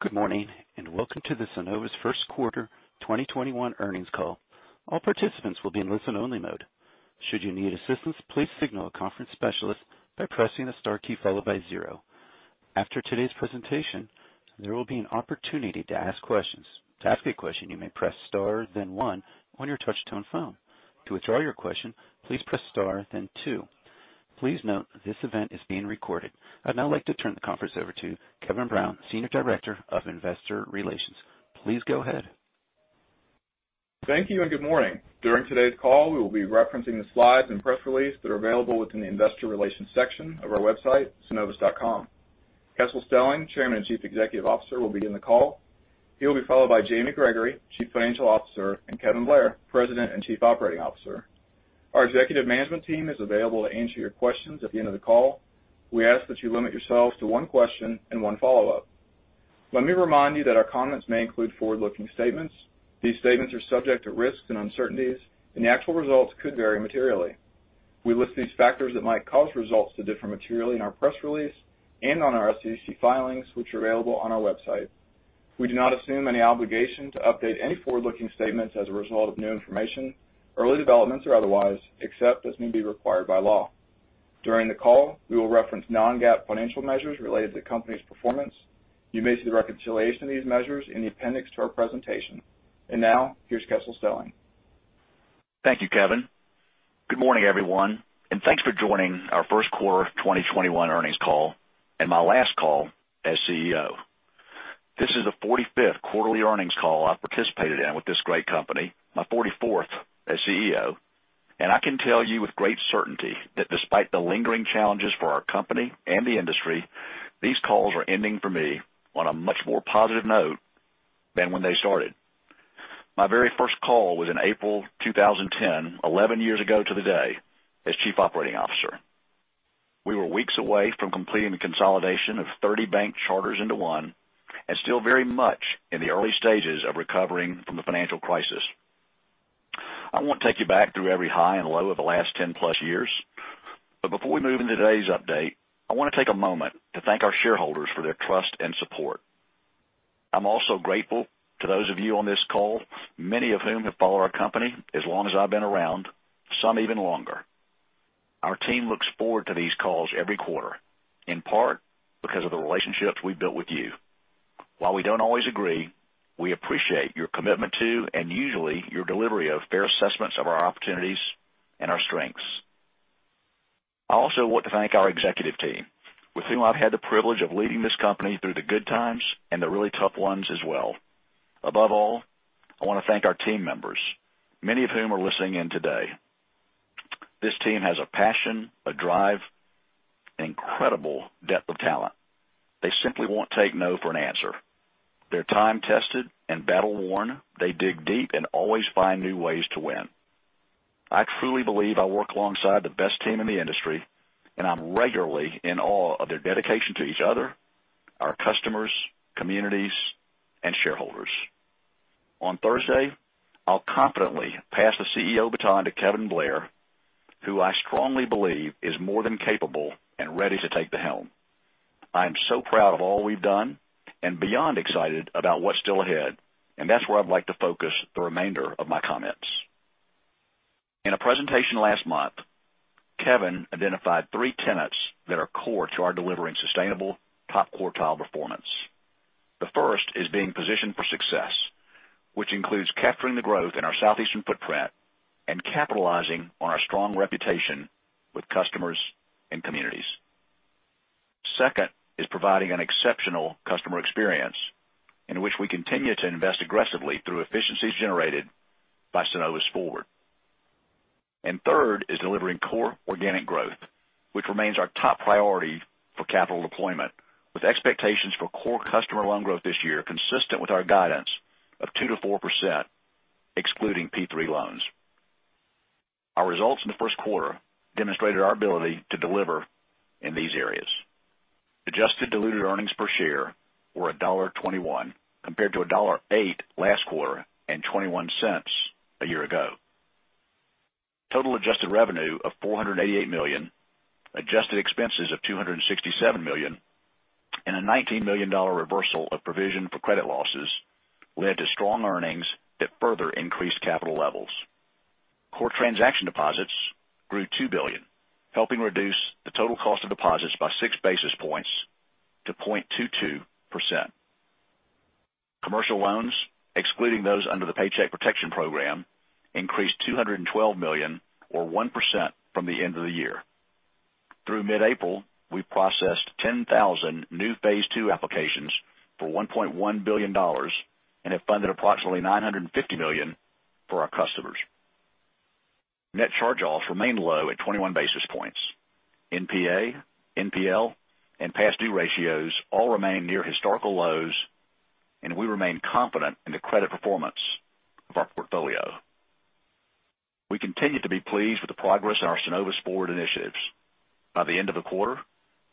Good morning, and welcome to the Synovus first quarter 2021 earnings call. All participants will be in listen-only mode. Should you need assistance, please signal a conference specialist by pressing the star key followed by zero. After today's presentation, there will be an opportunity to ask questions. To ask a question, you may press star, then one on your touchtone phone. To withdraw your question, please press star, then two. Please note, this event is being recorded. I'd now like to turn the conference over to Kevin Brown, Senior Director of Investor Relations. Please go ahead. Thank you, and good morning. During today's call, we will be referencing the slides and press release that are available within the investor relations section of our website, synovus.com. Kessel Stelling, Chairman and Chief Executive Officer, will begin the call. He will be followed by Jamie Gregory, Chief Financial Officer, and Kevin Blair, President and Chief Operating Officer. Our executive management team is available to answer your questions at the end of the call. We ask that you limit yourselves to one question and one follow-up. Let me remind you that our comments may include forward-looking statements. These statements are subject to risks and uncertainties, and the actual results could vary materially. We list these factors that might cause results to differ materially in our press release and on our SEC filings, which are available on our website. We do not assume any obligation to update any forward-looking statements as a result of new information, early developments, or otherwise, except as may be required by law. During the call, we will reference non-GAAP financial measures related to the company's performance. You may see the reconciliation of these measures in the appendix to our presentation. Now, here's Kessel Stelling. Thank you, Kevin. Good morning, everyone, and thanks for joining our first quarter 2021 earnings call and my last call as CEO. This is the 45th quarterly earnings call I've participated in with this great company, my 44th as CEO, and I can tell you with great certainty that despite the lingering challenges for our company and the industry, these calls are ending for me on a much more positive note than when they started. My very first call was in April 2010, 11 years ago to the day, as Chief Operating Officer. We were weeks away from completing the consolidation of 30 bank charters into one, and still very much in the early stages of recovering from the financial crisis. I won't take you back through every high and low of the last 10 plus years. Before we move into today's update, I want to take a moment to thank our shareholders for their trust and support. I'm also grateful to those of you on this call, many of whom have followed our company as long as I've been around, some even longer. Our team looks forward to these calls every quarter, in part because of the relationships we've built with you. While we don't always agree, we appreciate your commitment to and usually your delivery of fair assessments of our opportunities and our strengths. I also want to thank our executive team with whom I've had the privilege of leading this company through the good times and the really tough ones as well. Above all, I want to thank our team members, many of whom are listening in today. This team has a passion, a drive, incredible depth of talent. They simply won't take no for an answer. They're time-tested and battle-worn, they dig deep and always find new ways to win. I truly believe I work alongside the best team in the industry, and I'm regularly in awe of their dedication to each other, our customers, communities, and shareholders. On Thursday, I'll confidently pass the CEO baton to Kevin Blair, who I strongly believe is more than capable and ready to take the helm. I am so proud of all we've done and beyond excited about what's still ahead, and that's where I'd like to focus the remainder of my comments. In a presentation last month, Kevin identified three tenets that are core to our delivering sustainable top quartile performance. The first is being positioned for success, which includes capturing the growth in our southeastern footprint and capitalizing on our strong reputation with customers and communities. Second is providing an exceptional customer experience in which we continue to invest aggressively through efficiencies generated by Synovus Forward. Third is delivering core organic growth, which remains our top priority for capital deployment, with expectations for core customer loan growth this year consistent with our guidance of 2%-4%, excluding P3 loans. Our results in the first quarter demonstrated our ability to deliver in these areas. Adjusted diluted earnings per share were $1.21, compared to $1.8 last quarter and $0.21 a year ago. Total adjusted revenue of $488 million, adjusted expenses of $267 million, and a $19 million reversal of provision for credit losses led to strong earnings that further increased capital levels. Core transaction deposits grew $2 billion, helping reduce the total cost of deposits by six basis points to 0.22%. Commercial loans, excluding those under the Paycheck Protection Program, increased $212 million or 1% from the end of the year. Through mid-April, we processed 10,000 new phase II applications for $1.1 billion and have funded approximately $950 million for our customers. Net charge-offs remain low at 21 basis points. NPA, NPL, and past due ratios all remain near historical lows, we remain confident in the credit performance of our portfolio. We continue to be pleased with the progress in our Synovus Forward initiatives. By the end of the quarter,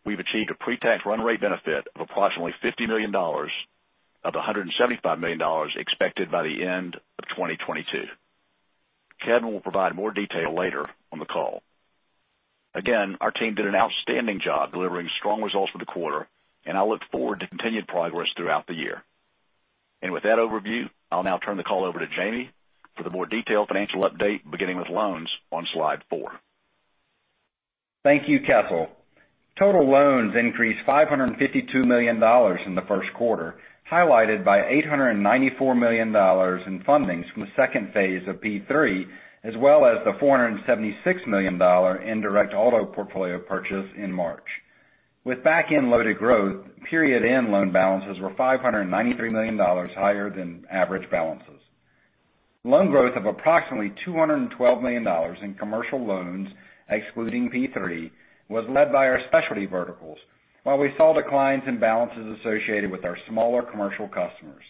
we've achieved a pre-tax run rate benefit of approximately $50 million of $175 million expected by the end of 2022. Kevin will provide more detail later on the call. Again, our team did an outstanding job delivering strong results for the quarter, and I look forward to continued progress throughout the year. With that overview, I'll now turn the call over to Jamie for the more detailed financial update, beginning with loans on slide four. Thank you, Kessel. Total loans increased $552 million in the first quarter, highlighted by $894 million in fundings from the second phase of P3, as well as the $476 million in direct auto portfolio purchase in March. With back-end loaded growth, period end loan balances were $593 million higher than average balances. Loan growth of approximately $212 million in commercial loans, excluding P3, was led by our specialty verticals, while we saw declines in balances associated with our smaller commercial customers.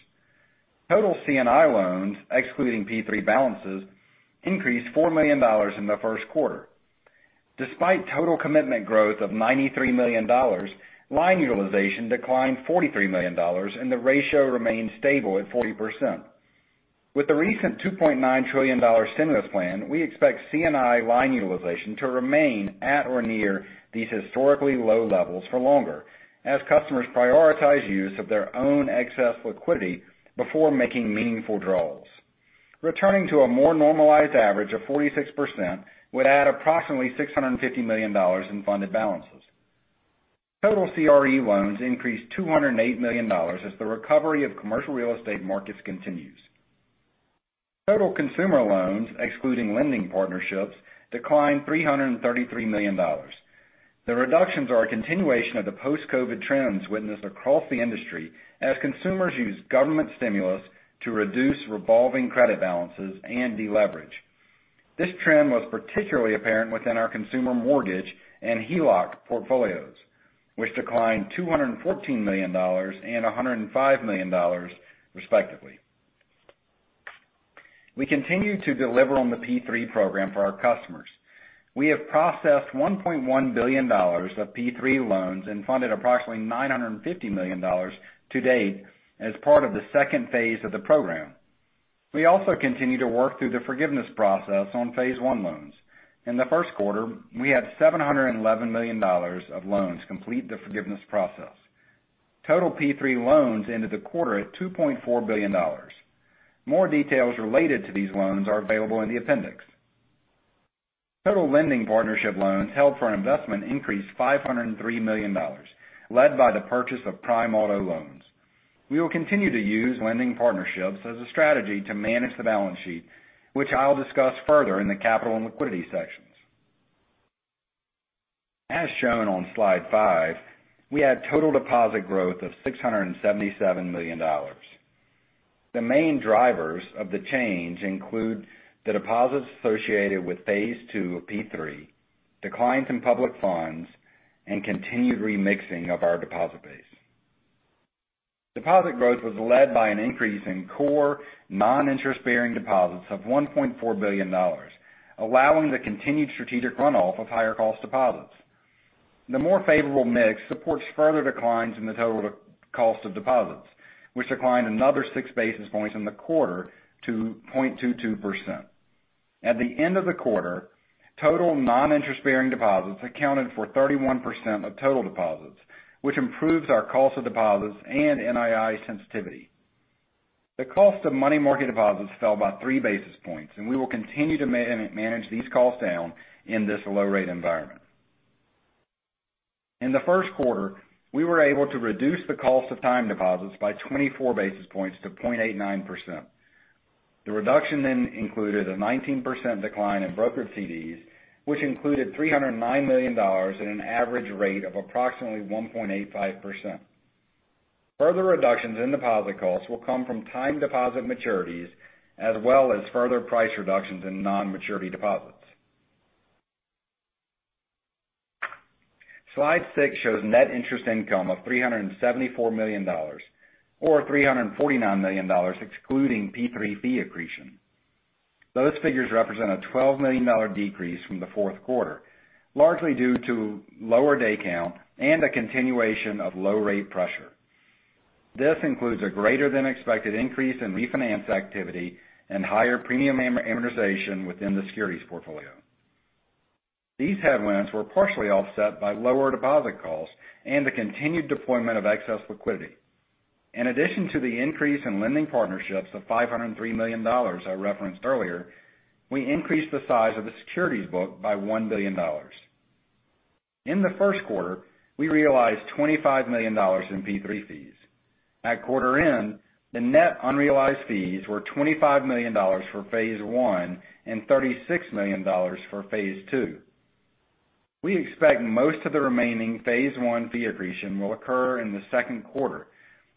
Total C&I loans, excluding P3 balances, increased $4 million in the first quarter. Despite total commitment growth of $93 million, line utilization declined $43 million, and the ratio remains stable at 40%. With the recent $2.9 trillion stimulus plan, we expect C&I line utilization to remain at or near these historically low levels for longer as customers prioritize use of their own excess liquidity before making meaningful draws. Returning to a more normalized average of 46% would add approximately $650 million in funded balances. Total CRE loans increased $208 million as the recovery of commercial real estate markets continues. Total consumer loans, excluding lending partnerships, declined $333 million. The reductions are a continuation of the post-COVID trends witnessed across the industry as consumers use government stimulus to reduce revolving credit balances and deleverage. This trend was particularly apparent within our consumer mortgage and HELOC portfolios, which declined $214 million and $105 million, respectively. We continue to deliver on the P3 program for our customers. We have processed $1.1 billion of P3 loans and funded approximately $950 million to date as part of the second phase of the program. We also continue to work through the forgiveness process on phase I loans. In the first quarter, we had $711 million of loans complete the forgiveness process. Total P3 loans ended the quarter at $2.4 billion. More details related to these loans are available in the appendix. Total lending partnership loans held for investment increased $503 million, led by the purchase of prime auto loans. We will continue to use lending partnerships as a strategy to manage the balance sheet, which I'll discuss further in the capital and liquidity sections. As shown on slide five, we had total deposit growth of $677 million. The main drivers of the change include the deposits associated with phase II of P3, declines in public funds, and continued remixing of our deposit base. Deposit growth was led by an increase in core non-interest-bearing deposits of $1.4 billion, allowing the continued strategic runoff of higher cost deposits. The more favorable mix supports further declines in the total cost of deposits, which declined another six basis points in the quarter to 0.22%. At the end of the quarter, total non-interest-bearing deposits accounted for 31% of total deposits, which improves our cost of deposits and NII sensitivity. The cost of money market deposits fell by three basis points, and we will continue to manage these costs down in this low-rate environment. In the first quarter, we were able to reduce the cost of time deposits by 24 basis points to 0.89%. The reduction included a 19% decline in brokered CDs, which included $309 million at an average rate of approximately 1.85%. Further reductions in deposit costs will come from time deposit maturities, as well as further price reductions in non-maturity deposits. Slide six shows net interest income of $374 million, or $349 million excluding P3 fee accretion. Those figures represent a $12 million decrease from the fourth quarter, largely due to lower day count and a continuation of low rate pressure. This includes a greater than expected increase in refinance activity and higher premium amortization within the securities portfolio. These headwinds were partially offset by lower deposit costs and the continued deployment of excess liquidity. In addition to the increase in lending partnerships of $503 million I referenced earlier, we increased the size of the securities book by $1 billion. In the first quarter, we realized $25 million in P3 fees. At quarter end, the net unrealized fees were $25 million for phase I and $36 million for phase II. We expect most of the remaining phase I fee accretion will occur in the second quarter,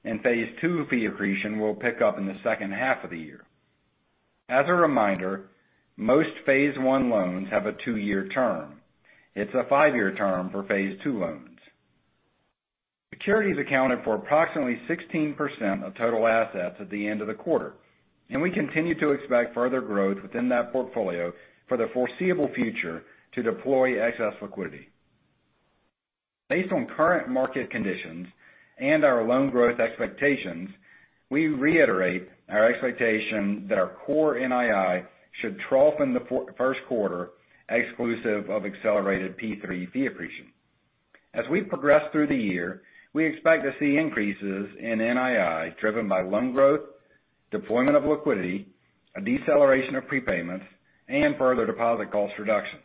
and phase II fee accretion will pick up in the second half of the year. As a reminder, most phase I loans have a two-year term. It's a five-year term for phase II loans. Securities accounted for approximately 16% of total assets at the end of the quarter, and we continue to expect further growth within that portfolio for the foreseeable future to deploy excess liquidity. Based on current market conditions and our loan growth expectations, we reiterate our expectation that our core NII should trough in the first quarter, exclusive of accelerated P3 fee theopresin. As we progress through the year, we expect to see increases in NII driven by loan growth, deployment of liquidity, a deceleration of prepayments, and further deposit cost reductions.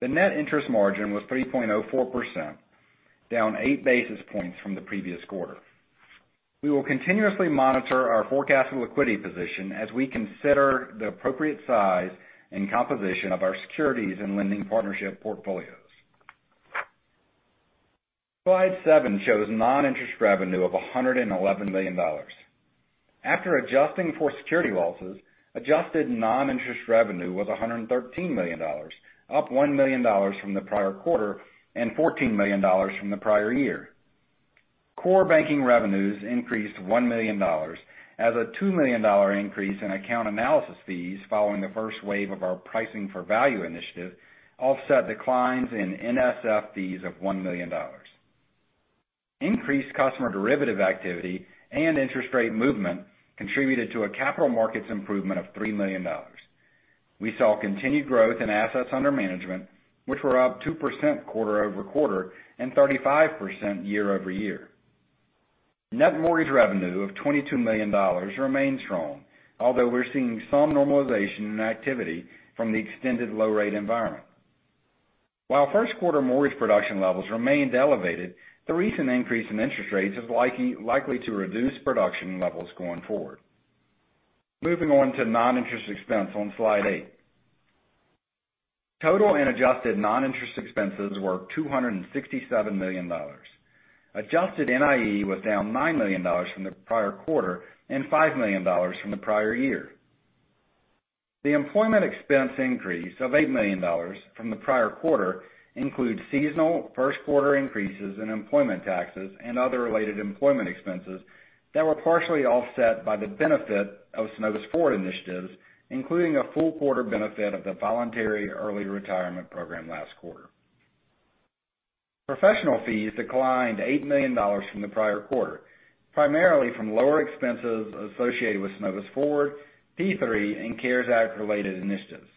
The net interest margin was 3.04%, down eight basis points from the previous quarter. We will continuously monitor our forecasted liquidity position as we consider the appropriate size and composition of our securities and lending partnership portfolios. Slide seven shows non-interest revenue of $111 million. After adjusting for security losses, adjusted non-interest revenue was $113 million, up $1 million from the prior quarter, and $14 million from the prior year. Core banking revenues increased $1 million, as a $2 million increase in account analysis fees following the first wave of our Price for Value initiative offset declines in NSF fees of $1 million. Increased customer derivative activity and interest rate movement contributed to a capital markets improvement of $3 million. We saw continued growth in assets under management, which were up 2% quarter-over-quarter, and 35% year-over-year. Net mortgage revenue of $22 million remains strong, although we're seeing some normalization in activity from the extended low-rate environment. While first quarter mortgage production levels remained elevated, the recent increase in interest rates is likely to reduce production levels going forward. Moving on to non-interest expense on slide eight. Total and adjusted non-interest expenses were $267 million. Adjusted NIE was down $9 million from the prior quarter, and $5 million from the prior year. The employment expense increase of $8 million from the prior quarter includes seasonal first quarter increases in employment taxes and other related employment expenses that were partially offset by the benefit of Synovus Forward initiatives, including a full quarter benefit of the voluntary early retirement program last quarter. Professional fees declined $8 million from the prior quarter, primarily from lower expenses associated with Synovus Forward, P3, and CARES Act related initiatives.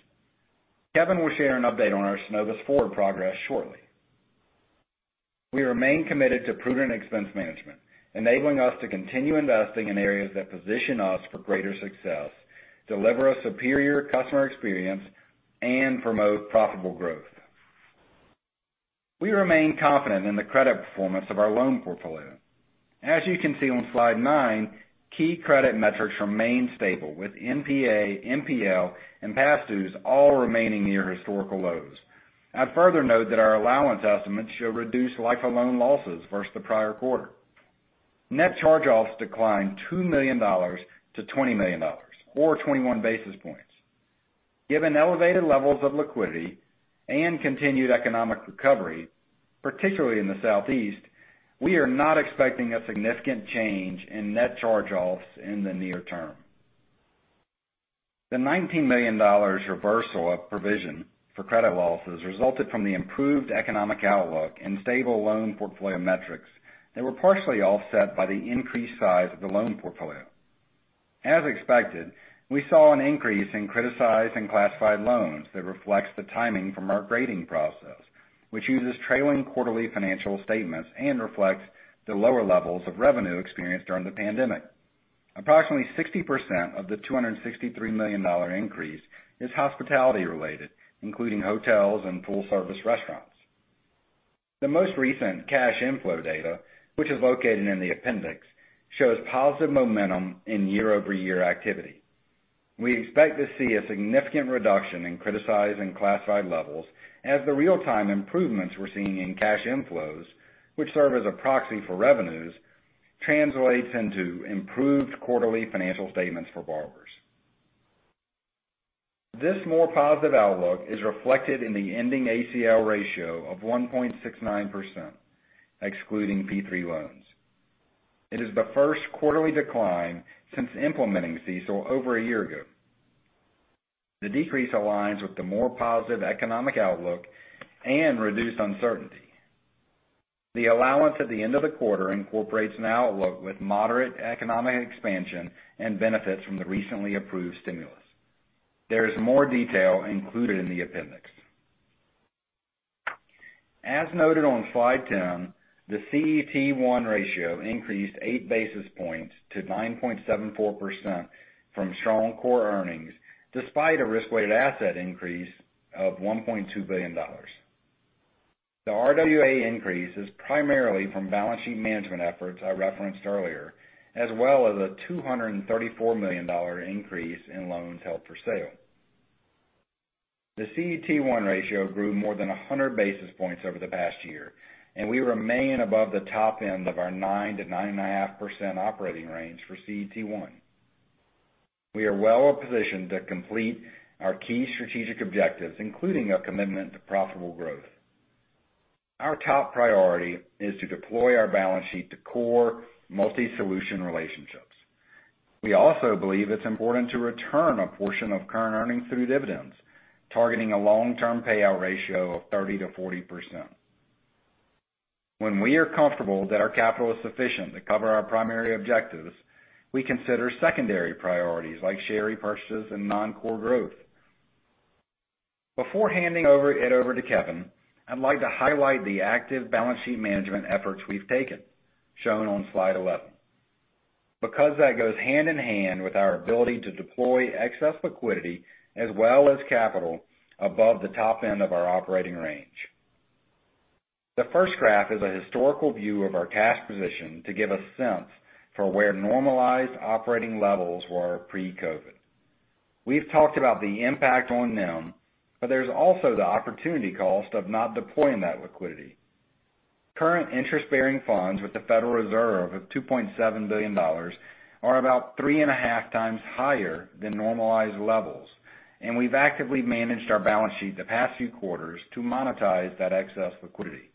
Kevin will share an update on our Synovus Forward progress shortly. We remain committed to prudent expense management, enabling us to continue investing in areas that position us for greater success, deliver a superior customer experience, and promote profitable growth. We remain confident in the credit performance of our loan portfolio. As you can see on slide nine, key credit metrics remain stable, with NPA, NPL and past dues all remaining near historical lows. I'd further note that our allowance estimates show reduced life of loan losses versus the prior quarter. Net charge-offs declined $2 million to $20 million, or 21 basis points. Given elevated levels of liquidity and continued economic recovery, particularly in the Southeast, we are not expecting a significant change in net charge-offs in the near term. The $19 million reversal of provision for credit losses resulted from the improved economic outlook and stable loan portfolio metrics that were partially offset by the increased size of the loan portfolio. As expected, we saw an increase in criticized and classified loans that reflects the timing from our grading process, which uses trailing quarterly financial statements and reflects the lower levels of revenue experienced during the pandemic. Approximately 60% of the $263 million increase is hospitality related, including hotels and full service restaurants. The most recent cash inflow data, which is located in the appendix, shows positive momentum in year-over-year activity. We expect to see a significant reduction in criticized and classified levels as the real-time improvements we're seeing in cash inflows, which serve as a proxy for revenues, translates into improved quarterly financial statements for borrowers. This more positive outlook is reflected in the ending ACL ratio of 1.69%, excluding P3 loans. It is the first quarterly decline since implementing CECL over one year ago. The decrease aligns with the more positive economic outlook and reduced uncertainty. The allowance at the end of the quarter incorporates an outlook with moderate economic expansion and benefits from the recently approved stimulus. There is more detail included in the appendix. As noted on slide 10, the CET1 ratio increased eight basis points to 9.74% from strong core earnings, despite a risk-weighted asset increase of $1.2 billion. The RWA increase is primarily from balance sheet management efforts I referenced earlier, as well as a $234 million increase in loans held for sale. The CET1 ratio grew more than 100 basis points over the past year, and we remain above the top end of our 9%-9.5% operating range for CET1. We are well positioned to complete our key strategic objectives, including a commitment to profitable growth. Our top priority is to deploy our balance sheet to core multi-solution relationships. We also believe it's important to return a portion of current earnings through dividends, targeting a long-term payout ratio of 30% to 40%. When we are comfortable that our capital is sufficient to cover our primary objectives, we consider secondary priorities like share repurchases and non-core growth. Before handing it over to Kevin, I'd like to highlight the active balance sheet management efforts we've taken, shown on slide 11, because that goes hand-in-hand with our ability to deploy excess liquidity as well as capital above the top end of our operating range. The first graph is a historical view of our cash position to give a sense for where normalized operating levels were pre-COVID. We've talked about the impact on NIM, but there's also the opportunity cost of not deploying that liquidity. Current interest-bearing funds with the Federal Reserve of $2.7 billion are about three and a half times higher than normalized levels. We've actively managed our balance sheet the past few quarters to monetize that excess liquidity.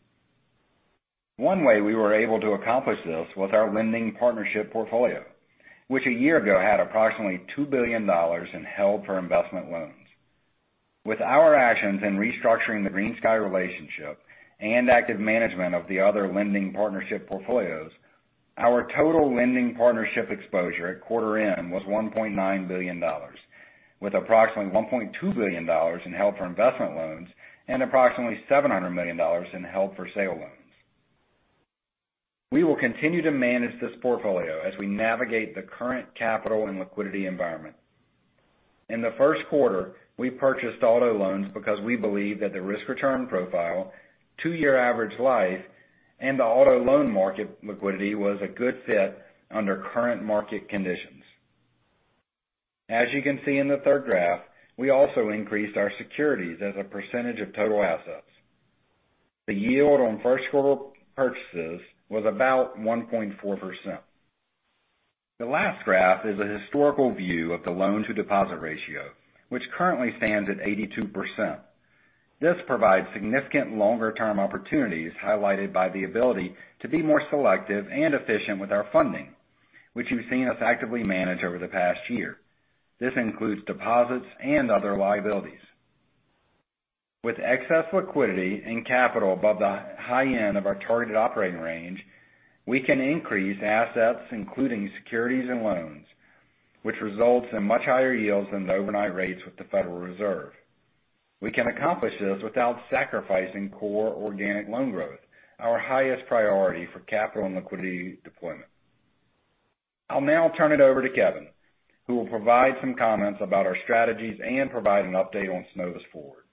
One way we were able to accomplish this was our lending partnership portfolio, which a year ago had approximately $2 billion in held-for-investment loans. With our actions in restructuring the GreenSky relationship and active management of the other lending partnership portfolios, our total lending partnership exposure at quarter end was $1.9 billion, with approximately $1.2 billion in held-for-investment loans and approximately $700 million in held-for-sale loans. We will continue to manage this portfolio as we navigate the current capital and liquidity environment. In the first quarter, we purchased auto loans because we believe that the risk-return profile, two-year average life, and the auto loan market liquidity was a good fit under current market conditions. As you can see in the third graph, we also increased our securities as a percentage of total assets. The yield on first quarter purchases was about 1.4%. The last graph is a historical view of the loan-to-deposit ratio, which currently stands at 82%. This provides significant longer-term opportunities, highlighted by the ability to be more selective and efficient with our funding, which you've seen us actively manage over the past year. This includes deposits and other liabilities. With excess liquidity and capital above the high end of our targeted operating range, we can increase assets, including securities and loans, which results in much higher yields than the overnight rates with the Federal Reserve. We can accomplish this without sacrificing core organic loan growth, our highest priority for capital and liquidity deployment. I'll now turn it over to Kevin, who will provide some comments about our strategies and provide an update on Synovus Forward.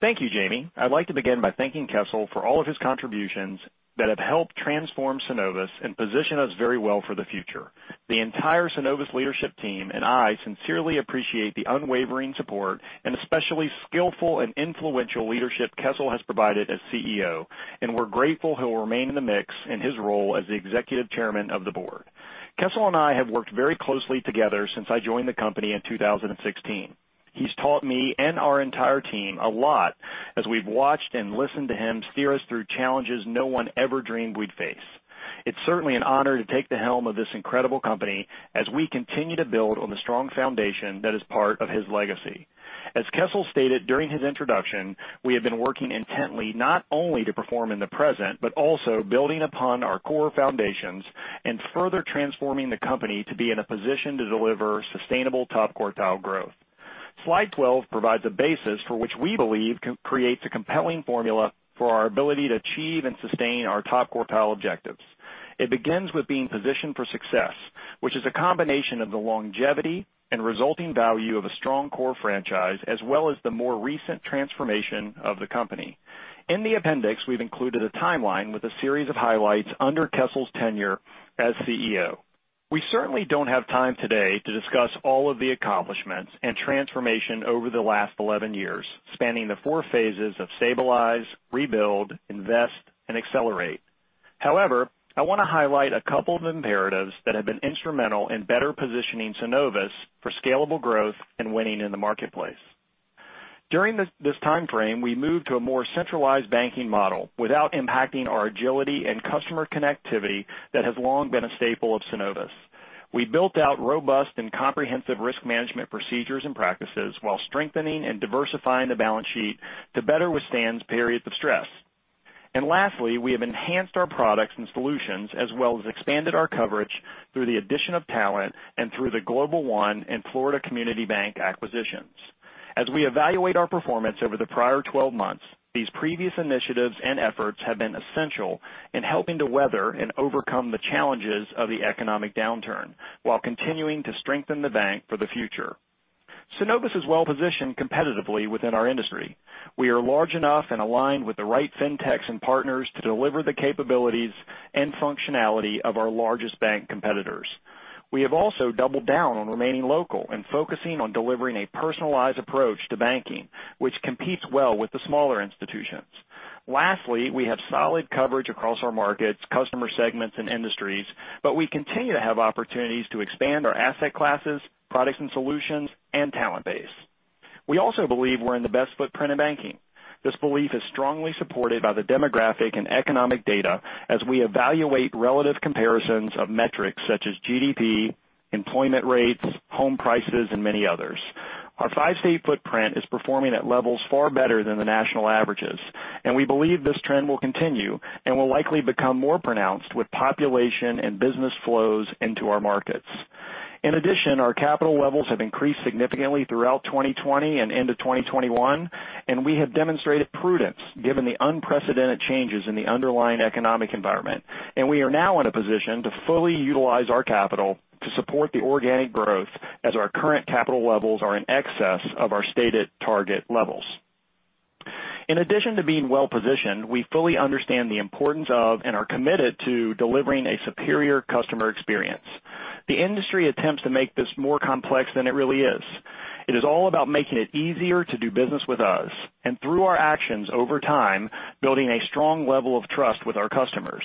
Thank you, Jamie. I'd like to begin by thanking Kessel for all of his contributions that have helped transform Synovus and position us very well for the future. The entire Synovus leadership team and I sincerely appreciate the unwavering support and especially skillful and influential leadership Kessel has provided as CEO, and we're grateful he'll remain in the mix in his role as the Executive Chairman of the board. Kessel and I have worked very closely together since I joined the company in 2016. He's taught me and our entire team a lot as we've watched and listened to him steer us through challenges no one ever dreamed we'd face. It's certainly an honor to take the helm of this incredible company as we continue to build on the strong foundation that is part of his legacy. As Kessel stated during his introduction, we have been working intently not only to perform in the present, but also building upon our core foundations and further transforming the company to be in a position to deliver sustainable top quartile growth. Slide 12 provides a basis for which we believe creates a compelling formula for our ability to achieve and sustain our top quartile objectives. It begins with being positioned for success, which is a combination of the longevity and resulting value of a strong core franchise, as well as the more recent transformation of the company. In the appendix, we've included a timeline with a series of highlights under Kessel's tenure as CEO. We certainly don't have time today to discuss all of the accomplishments and transformation over the last 11 years, spanning the four phases of stabilize, rebuild, invest, and accelerate. However, I want to highlight a couple of imperatives that have been instrumental in better positioning Synovus for scalable growth and winning in the marketplace. During this time frame, we moved to a more centralized banking model without impacting our agility and customer connectivity that has long been a staple of Synovus. Lastly, we have enhanced our products and solutions as well as expanded our coverage through the addition of talent and through the Global One and Florida Community Bank acquisitions. As we evaluate our performance over the prior 12 months, these previous initiatives and efforts have been essential in helping to weather and overcome the challenges of the economic downturn while continuing to strengthen the bank for the future. Synovus is well positioned competitively within our industry. We are large enough and aligned with the right fintechs and partners to deliver the capabilities and functionality of our largest bank competitors. We have also doubled down on remaining local and focusing on delivering a personalized approach to banking, which competes well with the smaller institutions. Lastly, we have solid coverage across our markets, customer segments, and industries, but we continue to have opportunities to expand our asset classes, products and solutions, and talent base. We also believe we're in the best footprint in banking. This belief is strongly supported by the demographic and economic data as we evaluate relative comparisons of metrics such as GDP, employment rates, home prices, and many others. Our five-state footprint is performing at levels far better than the national averages and we believe this trend will continue and will likely become more pronounced with population and business flows into our markets. In addition, our capital levels have increased significantly throughout 2020 and into 2021. We have demonstrated prudence given the unprecedented changes in the underlying economic environment. We are now in a position to fully utilize our capital to support the organic growth as our current capital levels are in excess of our stated target levels. In addition to being well-positioned, we fully understand the importance of and are committed to delivering a superior customer experience. The industry attempts to make this more complex than it really is. It is all about making it easier to do business with us, and through our actions over time, building a strong level of trust with our customers.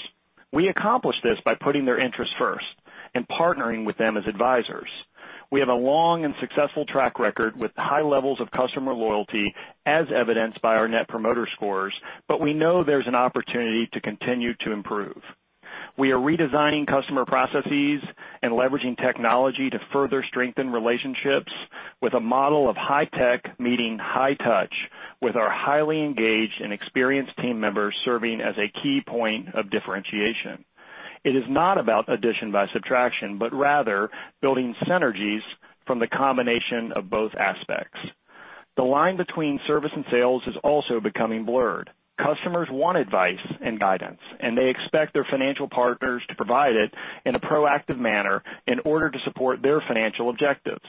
We accomplish this by putting their interests first and partnering with them as advisors. We have a long and successful track record with high levels of customer loyalty as evidenced by our net promoter scores, but we know there's an opportunity to continue to improve. We are redesigning customer processes and leveraging technology to further strengthen relationships with a model of high tech meeting high touch with our highly engaged and experienced team members serving as a key point of differentiation. It is not about addition by subtraction, but rather building synergies from the combination of both aspects. The line between service and sales is also becoming blurred. Customers want advice and guidance, and they expect their financial partners to provide it in a proactive manner in order to support their financial objectives.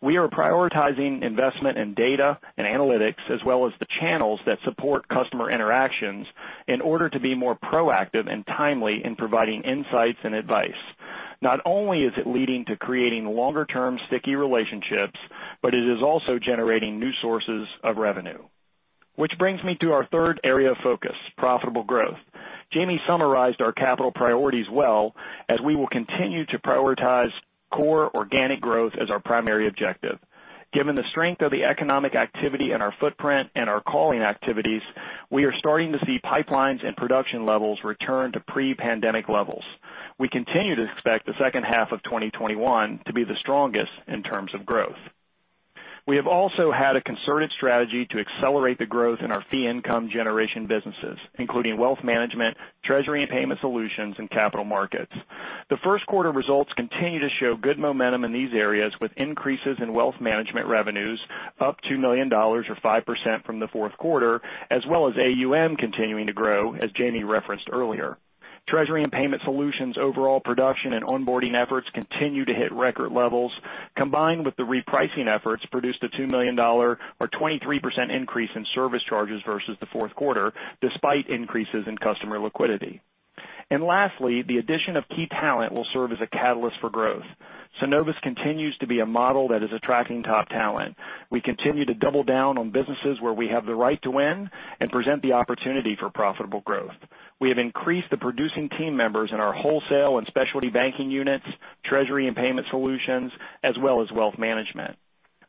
We are prioritizing investment in data and analytics, as well as the channels that support customer interactions in order to be more proactive and timely in providing insights and advice. Not only is it leading to creating longer-term sticky relationships, but it is also generating new sources of revenue. Which brings me to our third area of focus, profitable growth. Jamie summarized our capital priorities well as we will continue to prioritize core organic growth as our primary objective. Given the strength of the economic activity in our footprint and our calling activities, we are starting to see pipelines and production levels return to pre-pandemic levels. We continue to expect the second half of 2021 to be the strongest in terms of growth. We have also had a concerted strategy to accelerate the growth in our fee income generation businesses, including wealth management, treasury and payment solutions, and capital markets. The first quarter results continue to show good momentum in these areas with increases in wealth management revenues up $2 million or 5% from the fourth quarter, as well as AUM continuing to grow, as Jamie referenced earlier. Treasury and payment solutions overall production and onboarding efforts continue to hit record levels, combined with the repricing efforts produced a $2 million or 23% increase in service charges versus the fourth quarter, despite increases in customer liquidity. Lastly, the addition of key talent will serve as a catalyst for growth. Synovus continues to be a model that is attracting top talent. We continue to double down on businesses where we have the right to win and present the opportunity for profitable growth. We have increased the producing team members in our wholesale and specialty banking units, treasury and payment solutions, as well as wealth management.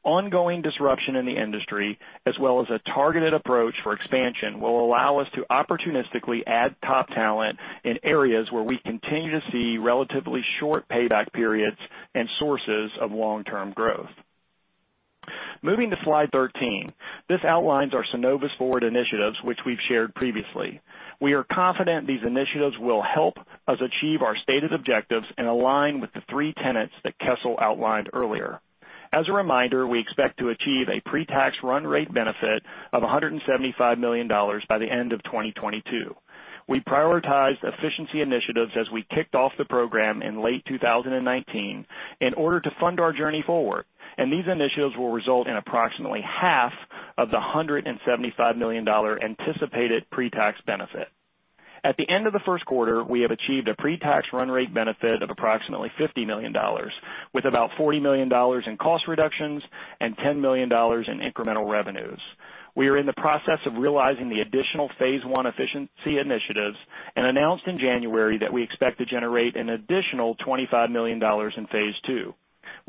Ongoing disruption in the industry, as well as a targeted approach for expansion, will allow us to opportunistically add top talent in areas where we continue to see relatively short payback periods and sources of long-term growth. Moving to slide 13. This outlines our Synovus Forward initiatives, which we've shared previously. We are confident these initiatives will help us achieve our stated objectives and align with the three tenets that Kessel outlined earlier. As a reminder, we expect to achieve a pre-tax run rate benefit of $175 million by the end of 2022. We prioritized efficiency initiatives as we kicked off the program in late 2019 in order to fund our journey forward, and these initiatives will result in approximately half of the $175 million anticipated pre-tax benefit. At the end of the first quarter, we have achieved a pre-tax run rate benefit of approximately $50 million, with about $40 million in cost reductions and $10 million in incremental revenues. We are in the process of realizing the additional phase one efficiency initiatives and announced in January that we expect to generate an additional $25 million in phase II.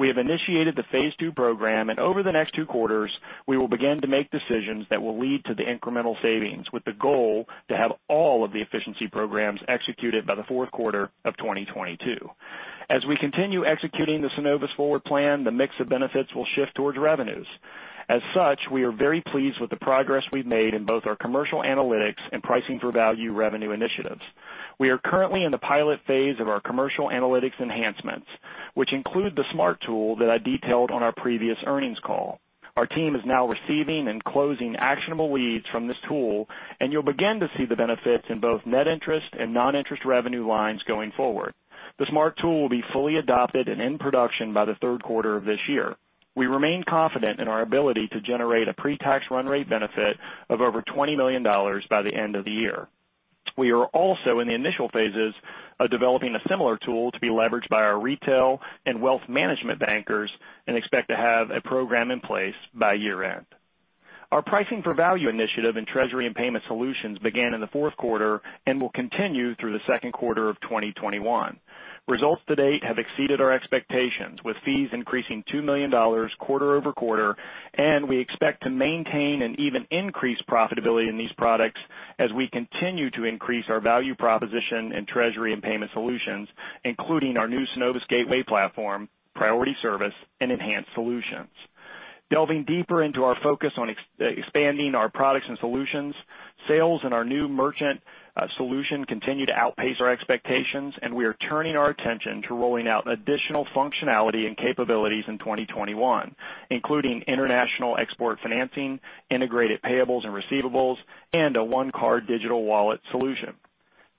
We have initiated the phase II program, and over the next two quarters, we will begin to make decisions that will lead to the incremental savings with the goal to have all of the efficiency programs executed by the fourth quarter of 2022. As we continue executing the Synovus Forward plan, the mix of benefits will shift towards revenues. As such, we are very pleased with the progress we've made in both our commercial analytics and Price for Value revenue initiatives. We are currently in the pilot phase of our commercial analytics enhancements, which include the SMART tool that I detailed on our previous earnings call. Our team is now receiving and closing actionable leads from this tool, and you'll begin to see the benefits in both net interest and non-interest revenue lines going forward. The SMART tool will be fully adopted and in production by the third quarter of this year. We remain confident in our ability to generate a pre-tax run rate benefit of over $20 million by the end of the year. We are also in the initial phases of developing a similar tool to be leveraged by our retail and wealth management bankers and expect to have a program in place by year-end. Our Price for Value initiative in treasury and payment solutions began in the fourth quarter and will continue through the second quarter of 2021. Results to date have exceeded our expectations, with fees increasing $2 million quarter-over-quarter, and we expect to maintain and even increase profitability in these products as we continue to increase our value proposition in treasury and payment solutions, including our new Synovus Gateway platform, priority service, and enhanced solutions. Delving deeper into our focus on expanding our products and solutions, sales in our new merchant solution continue to outpace our expectations, and we are turning our attention to rolling out additional functionality and capabilities in 2021, including international export financing, integrated payables and receivables, and a one-card digital wallet solution.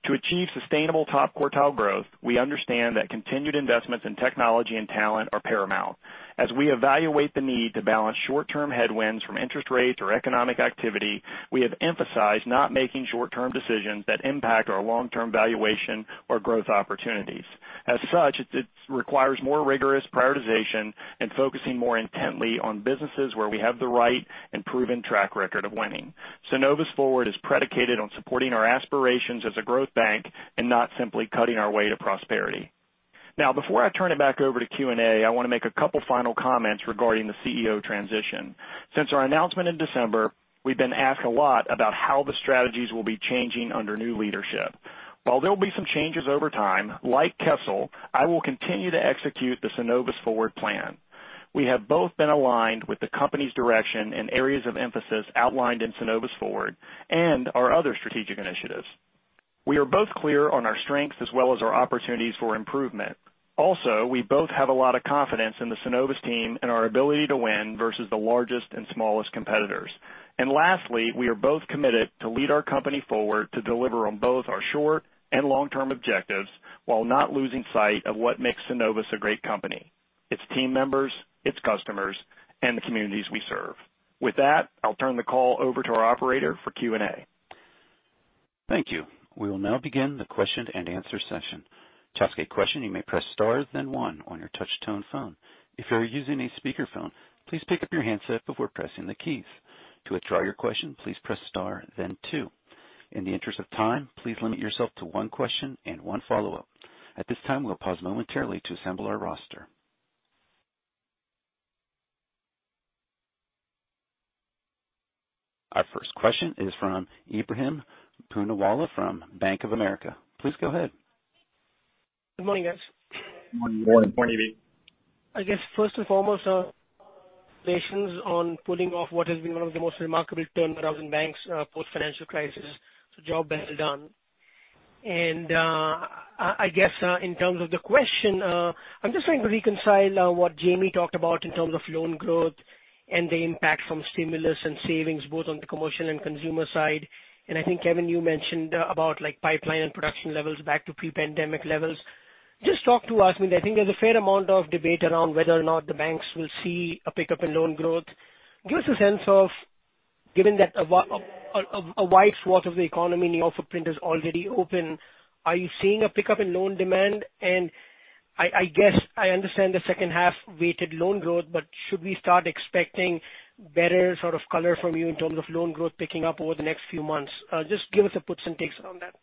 To achieve sustainable top quartile growth, we understand that continued investments in technology and talent are paramount. As we evaluate the need to balance short-term headwinds from interest rates or economic activity, we have emphasized not making short-term decisions that impact our long-term valuation or growth opportunities. As such, it requires more rigorous prioritization and focusing more intently on businesses where we have the right and proven track record of winning. Synovus Forward is predicated on supporting our aspirations as a growth bank and not simply cutting our way to prosperity. Now, before I turn it back over to Q&A, I want to make a couple final comments regarding the CEO transition. While there'll be some changes over time, like Kessel, I will continue to execute the Synovus Forward plan. We have both been aligned with the company's direction and areas of emphasis outlined in Synovus Forward and our other strategic initiatives. We are both clear on our strengths as well as our opportunities for improvement. We both have a lot of confidence in the Synovus team and our ability to win versus the largest and smallest competitors. Lastly, we are both committed to lead our company forward to deliver on both our short and long-term objectives while not losing sight of what makes Synovus a great company: its team members, its customers, and the communities we serve. With that, I'll turn the call over to our operator for Q&A. Thank you. We will now begin the question and answer session. Our first question is from Ebrahim Poonawala from Bank of America. Please go ahead. Good morning, guys. Morning. Morning. Morning, Ebrahim. I guess first and foremost, congratulations on pulling off what has been one of the most remarkable turnarounds in banks post-financial crisis, so job well done. I guess, in terms of the question, I'm just trying to reconcile what Jamie talked about in terms of loan growth and the impact from stimulus and savings, both on the commercial and consumer side. I think, Kevin, you mentioned about pipeline and production levels back to pre-pandemic levels. Just talk to us. I mean, I think there's a fair amount of debate around whether or not the banks will see a pickup in loan growth. Give us a sense of, given that a wide swath of the economy and the footprint is already open, are you seeing a pickup in loan demand? I guess I understand the second half weighted loan growth, but should we start expecting better sort of color from you in terms of loan growth picking up over the next few months? Just give us the puts and takes on that.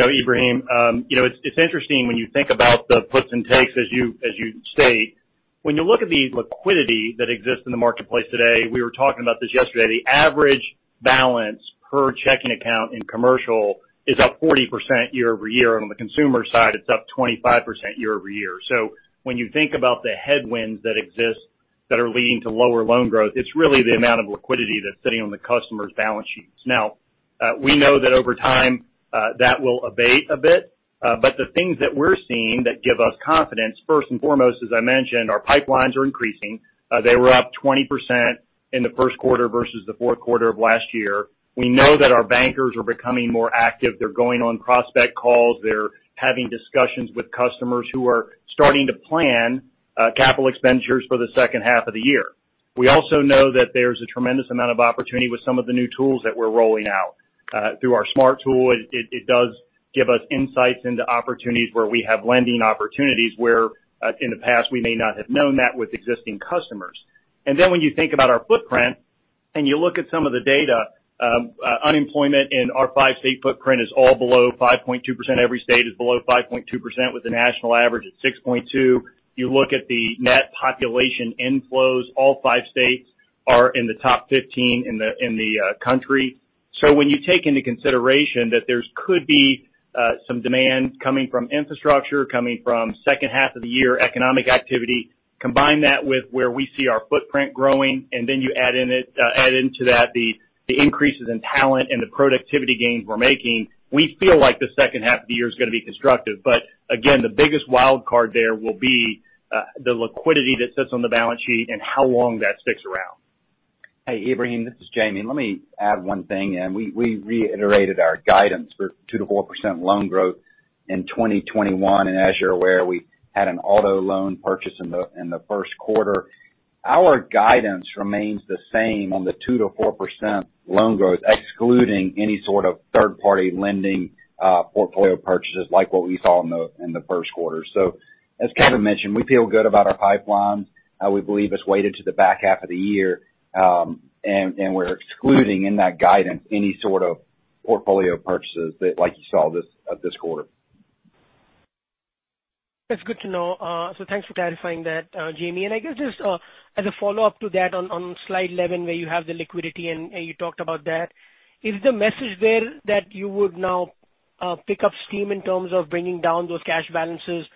Ebrahim, it's interesting when you think about the puts and takes as you state. When you look at the liquidity that exists in the marketplace today, we were talking about this yesterday. The average balance per checking account in commercial is up 40% year-over-year. On the consumer side, it's up 25% year-over-year. When you think about the headwinds that exist that are leading to lower loan growth, it's really the amount of liquidity that's sitting on the customers' balance sheets. Now, we know that over time, that will abate a bit. The things that we're seeing that give us confidence, first and foremost, as I mentioned, our pipelines are increasing. They were up 20% in the first quarter versus the fourth quarter of last year. We know that our bankers are becoming more active. They're going on prospect calls. They're having discussions with customers who are starting to plan capital expenditures for the second half of the year. We also know that there's a tremendous amount of opportunity with some of the new tools that we're rolling out. Through our SMART tool, it does give us insights into opportunities where we have lending opportunities where, in the past, we may not have known that with existing customers. When you think about our footprint and you look at some of the data, unemployment in our five-state footprint is all below 5.2%. Every state is below 5.2% with the national average at 6.2%. You look at the net population inflows, all five states are in the top 15 in the country. When you take into consideration that there could be some demand coming from infrastructure, coming from second half of the year economic activity, combine that with where we see our footprint growing, then you add into that the increases in talent and the productivity gains we're making, we feel like the second half of the year is going to be constructive. Again, the biggest wild card there will be the liquidity that sits on the balance sheet and how long that sticks around. Hey, Ebrahim, this is Jamie. Let me add one thing in. We reiterated our guidance for 2%-4% loan growth in 2021. As you're aware, we had an auto loan purchase in the first quarter. Our guidance remains the same on the 2% to 4% loan growth, excluding any sort of third-party lending portfolio purchases like what we saw in the first quarter. As Kevin mentioned, we feel good about our pipeline. We believe it's weighted to the back half of the year. We're excluding in that guidance any sort of portfolio purchases like you saw this quarter. That's good to know. Thanks for clarifying that, Jamie. I guess just as a follow-up to that, on slide 11, where you have the liquidity and you talked about that, is the message there that you would now pick up steam in terms of bringing down those cash balances,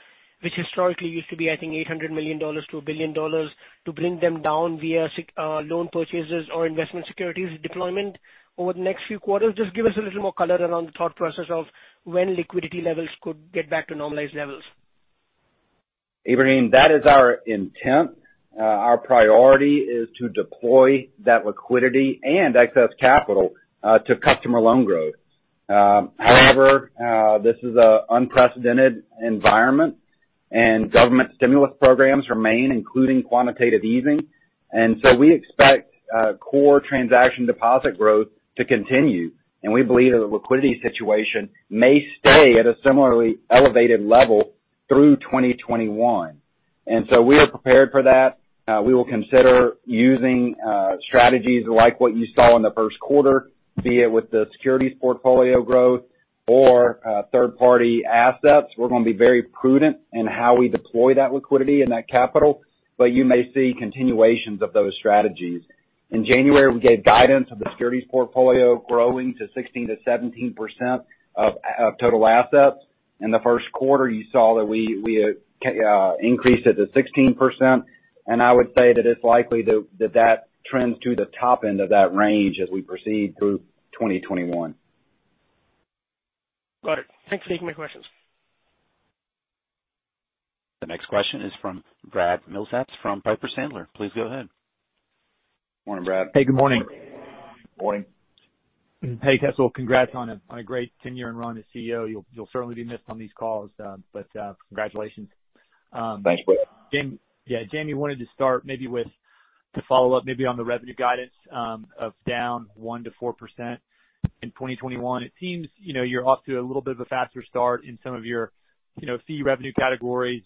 which historically used to be, I think, $800 million-$1 billion, to bring them down via loan purchases or investment securities deployment over the next few quarters? Just give us a little more color around the thought process of when liquidity levels could get back to normalized levels. Ebrahim, that is our intent. Our priority is to deploy that liquidity and excess capital to customer loan growth. However, this is an unprecedented environment, and government stimulus programs remain, including quantitative easing. We expect core transaction deposit growth to continue, and we believe that the liquidity situation may stay at a similarly elevated level through 2021. We are prepared for that. We will consider using strategies like what you saw in the first quarter, be it with the securities portfolio growth or third-party assets. We're going to be very prudent in how we deploy that liquidity and that capital. You may see continuations of those strategies. In January, we gave guidance of the securities portfolio growing to 16%-17% of total assets. In the first quarter, you saw that we increased it to 16%, and I would say that it's likely that that trends to the top end of that range as we proceed through 2021. Got it. Thanks for taking my questions. The next question is from Brad Milsaps from Piper Sandler. Please go ahead. Morning, Brad. Hey, good morning. Morning. Hey, Kess, well, congrats on a great tenure and run as CEO. You'll certainly be missed on these calls. Congratulations. Thanks, Brad. Jamie, wanted to start maybe with the follow-up, maybe on the revenue guidance of down 1%-4% in 2021. It seems you're off to a little bit of a faster start in some of your fee revenue categories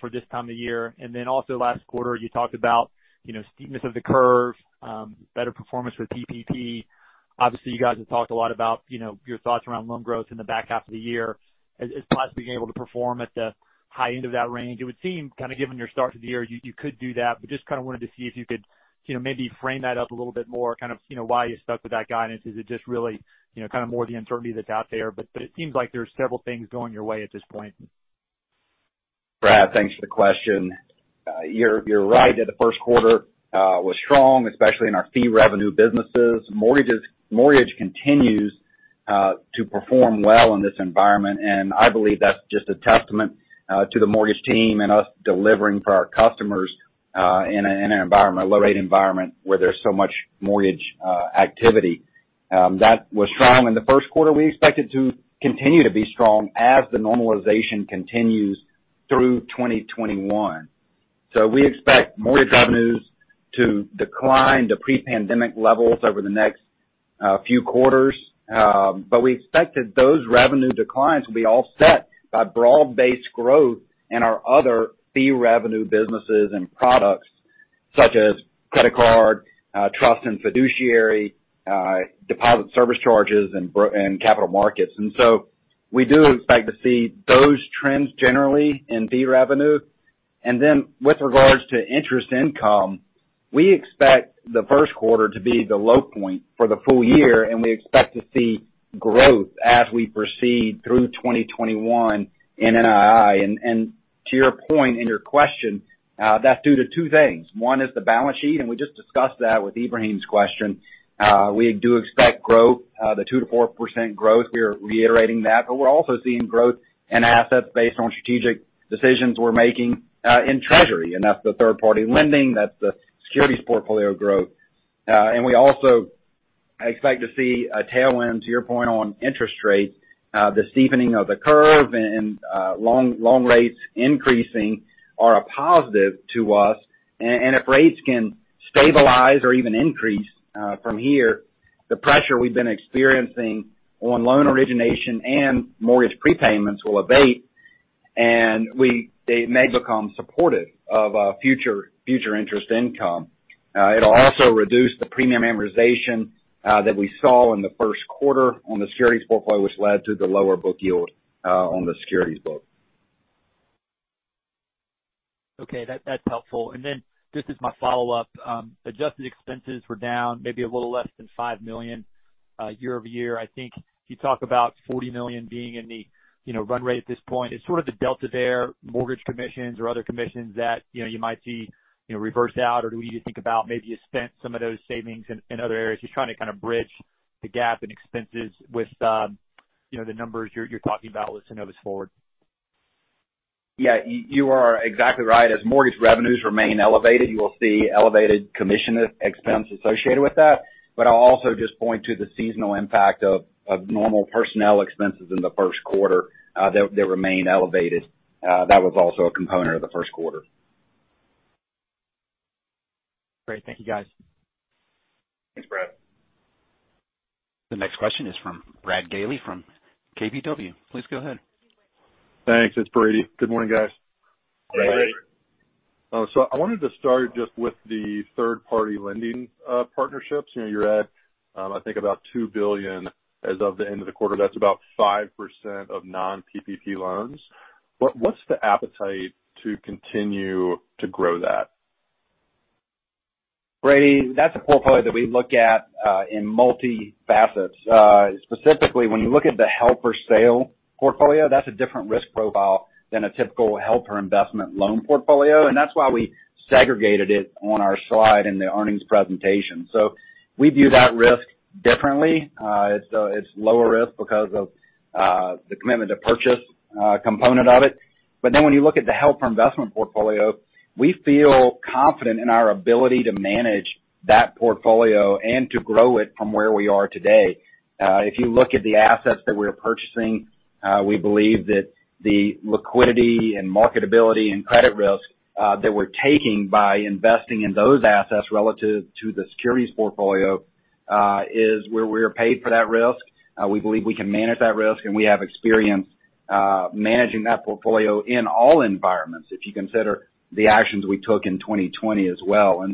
for this time of year. Also last quarter, you talked about steepness of the curve, better performance with PPP. Obviously, you guys have talked a lot about your thoughts around loan growth in the back half of the year as possibly being able to perform at the high end of that range. It would seem, given your start to the year, you could do that. Just wanted to see if you could maybe frame that up a little bit more, why you stuck with that guidance. Is it just really more the uncertainty that's out there? It seems like there's several things going your way at this point. Brad, thanks for the question. You're right that the first quarter was strong, especially in our fee revenue businesses. Mortgage continues to perform well in this environment, and I believe that's just a testament to the mortgage team and us delivering for our customers in a low rate environment where there's so much mortgage activity. That was strong in the first quarter. We expect it to continue to be strong as the normalization continues through 2021. We expect mortgage revenues to decline to pre-pandemic levels over the next few quarters. We expect that those revenue declines will be offset by broad-based growth in our other fee revenue businesses and products such as credit card, trust and fiduciary, deposit service charges, and capital markets. We do expect to see those trends generally in fee revenue. With regards to interest income, we expect the first quarter to be the low point for the full year, and we expect to see growth as we proceed through 2021 in NII. To your point in your question, that's due to two things. One is the balance sheet, and we just discussed that with Ebrahim's question. We do expect growth, the 2%-4% growth. We are reiterating that. We're also seeing growth in assets based on strategic decisions we're making in treasury. That's the third-party lending, that's the securities portfolio growth. We also expect to see a tailwind, to your point, on interest rates. The steepening of the curve and long rates increasing are a positive to us. If rates can stabilize or even increase from here, the pressure we've been experiencing on loan origination and mortgage prepayments will abate, and they may become supportive of future interest income. It'll also reduce the premium amortization that we saw in the first quarter on the securities portfolio, which led to the lower book yield on the securities book. Okay, that's helpful. Then just as my follow-up, adjusted expenses were down maybe a little less than $5 million year-over-year. I think if you talk about $40 million being in the run rate at this point, is the delta there mortgage commissions or other commissions that you might see reversed out? Do we need to think about maybe you spent some of those savings in other areas? Just trying to bridge the gap in expenses with the numbers you're talking about with Synovus Forward. Yeah, you are exactly right. As mortgage revenues remain elevated, you will see elevated commission expense associated with that. I'll also just point to the seasonal impact of normal personnel expenses in the first quarter. They remained elevated. That was also a component of the first quarter. Great. Thank you, guys. Thanks, Brad. The next question is from Brad Gailey from KBW. Please go ahead. Thanks. It's Brady. Good morning, guys. Good morning. I wanted to start just with the third-party lending partnerships. You're at, I think about $2 billion as of the end of the quarter. That's about 5% of non-PPP loans. What's the appetite to continue to grow that? Brady, that's a portfolio that we look at in multi facets. Specifically, when you look at the held-for-sale portfolio, that's a different risk profile than a typical held-for-investment loan portfolio, and that's why we segregated it on our slide in the earnings presentation. We view that risk differently, it's lower risk because of the commitment to purchase component of it. When you look at the held-for-investment portfolio, we feel confident in our ability to manage that portfolio and to grow it from where we are today. If you look at the assets that we're purchasing, we believe that the liquidity and marketability and credit risk that we're taking by investing in those assets relative to the securities portfolio, is where we are paid for that risk. We believe we can manage that risk, and we have experience managing that portfolio in all environments if you consider the actions we took in 2020 as well.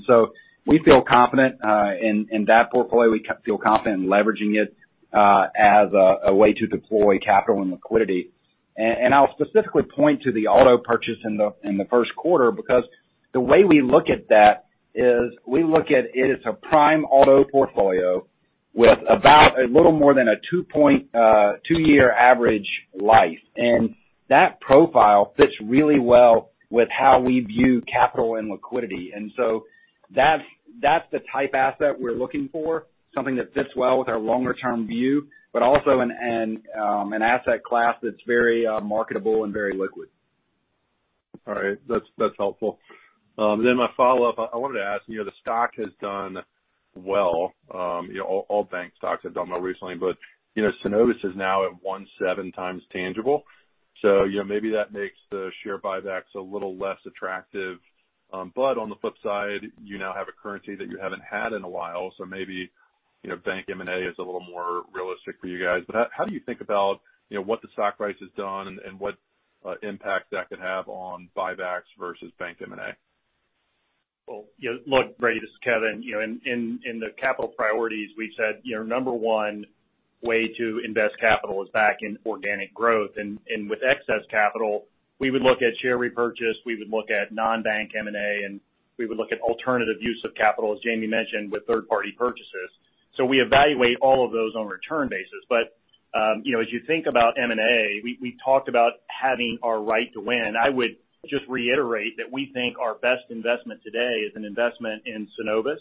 We feel confident in that portfolio. We feel confident in leveraging it as a way to deploy capital and liquidity. I'll specifically point to the auto purchase in the first quarter, because the way we look at that is we look at it as a prime auto portfolio with about a little more than a two-year average life. That profile fits really well with how we view capital and liquidity. That's the type asset we're looking for, something that fits well with our longer term view, but also an asset class that's very marketable and very liquid. All right, that's helpful. My follow-up, I wanted to ask, the stock has done well. All bank stocks have done well recently, Synovus is now at 1.7 times tangible. Maybe that makes the share buybacks a little less attractive. On the flip side, you now have a currency that you haven't had in a while. Maybe, bank M&A is a little more realistic for you guys. How do you think about what the stock price has done and what impact that could have on buybacks versus bank M&A? Well, look, Brady, this is Kevin. In the capital priorities, we said number one way to invest capital is back in organic growth. With excess capital, we would look at share repurchase, we would look at non-bank M&A, and we would look at alternative use of capital, as Jamie mentioned, with third-party purchases. We evaluate all of those on a return basis. As you think about M&A, we talked about having our right to win. I would just reiterate that we think our best investment today is an investment in Synovus.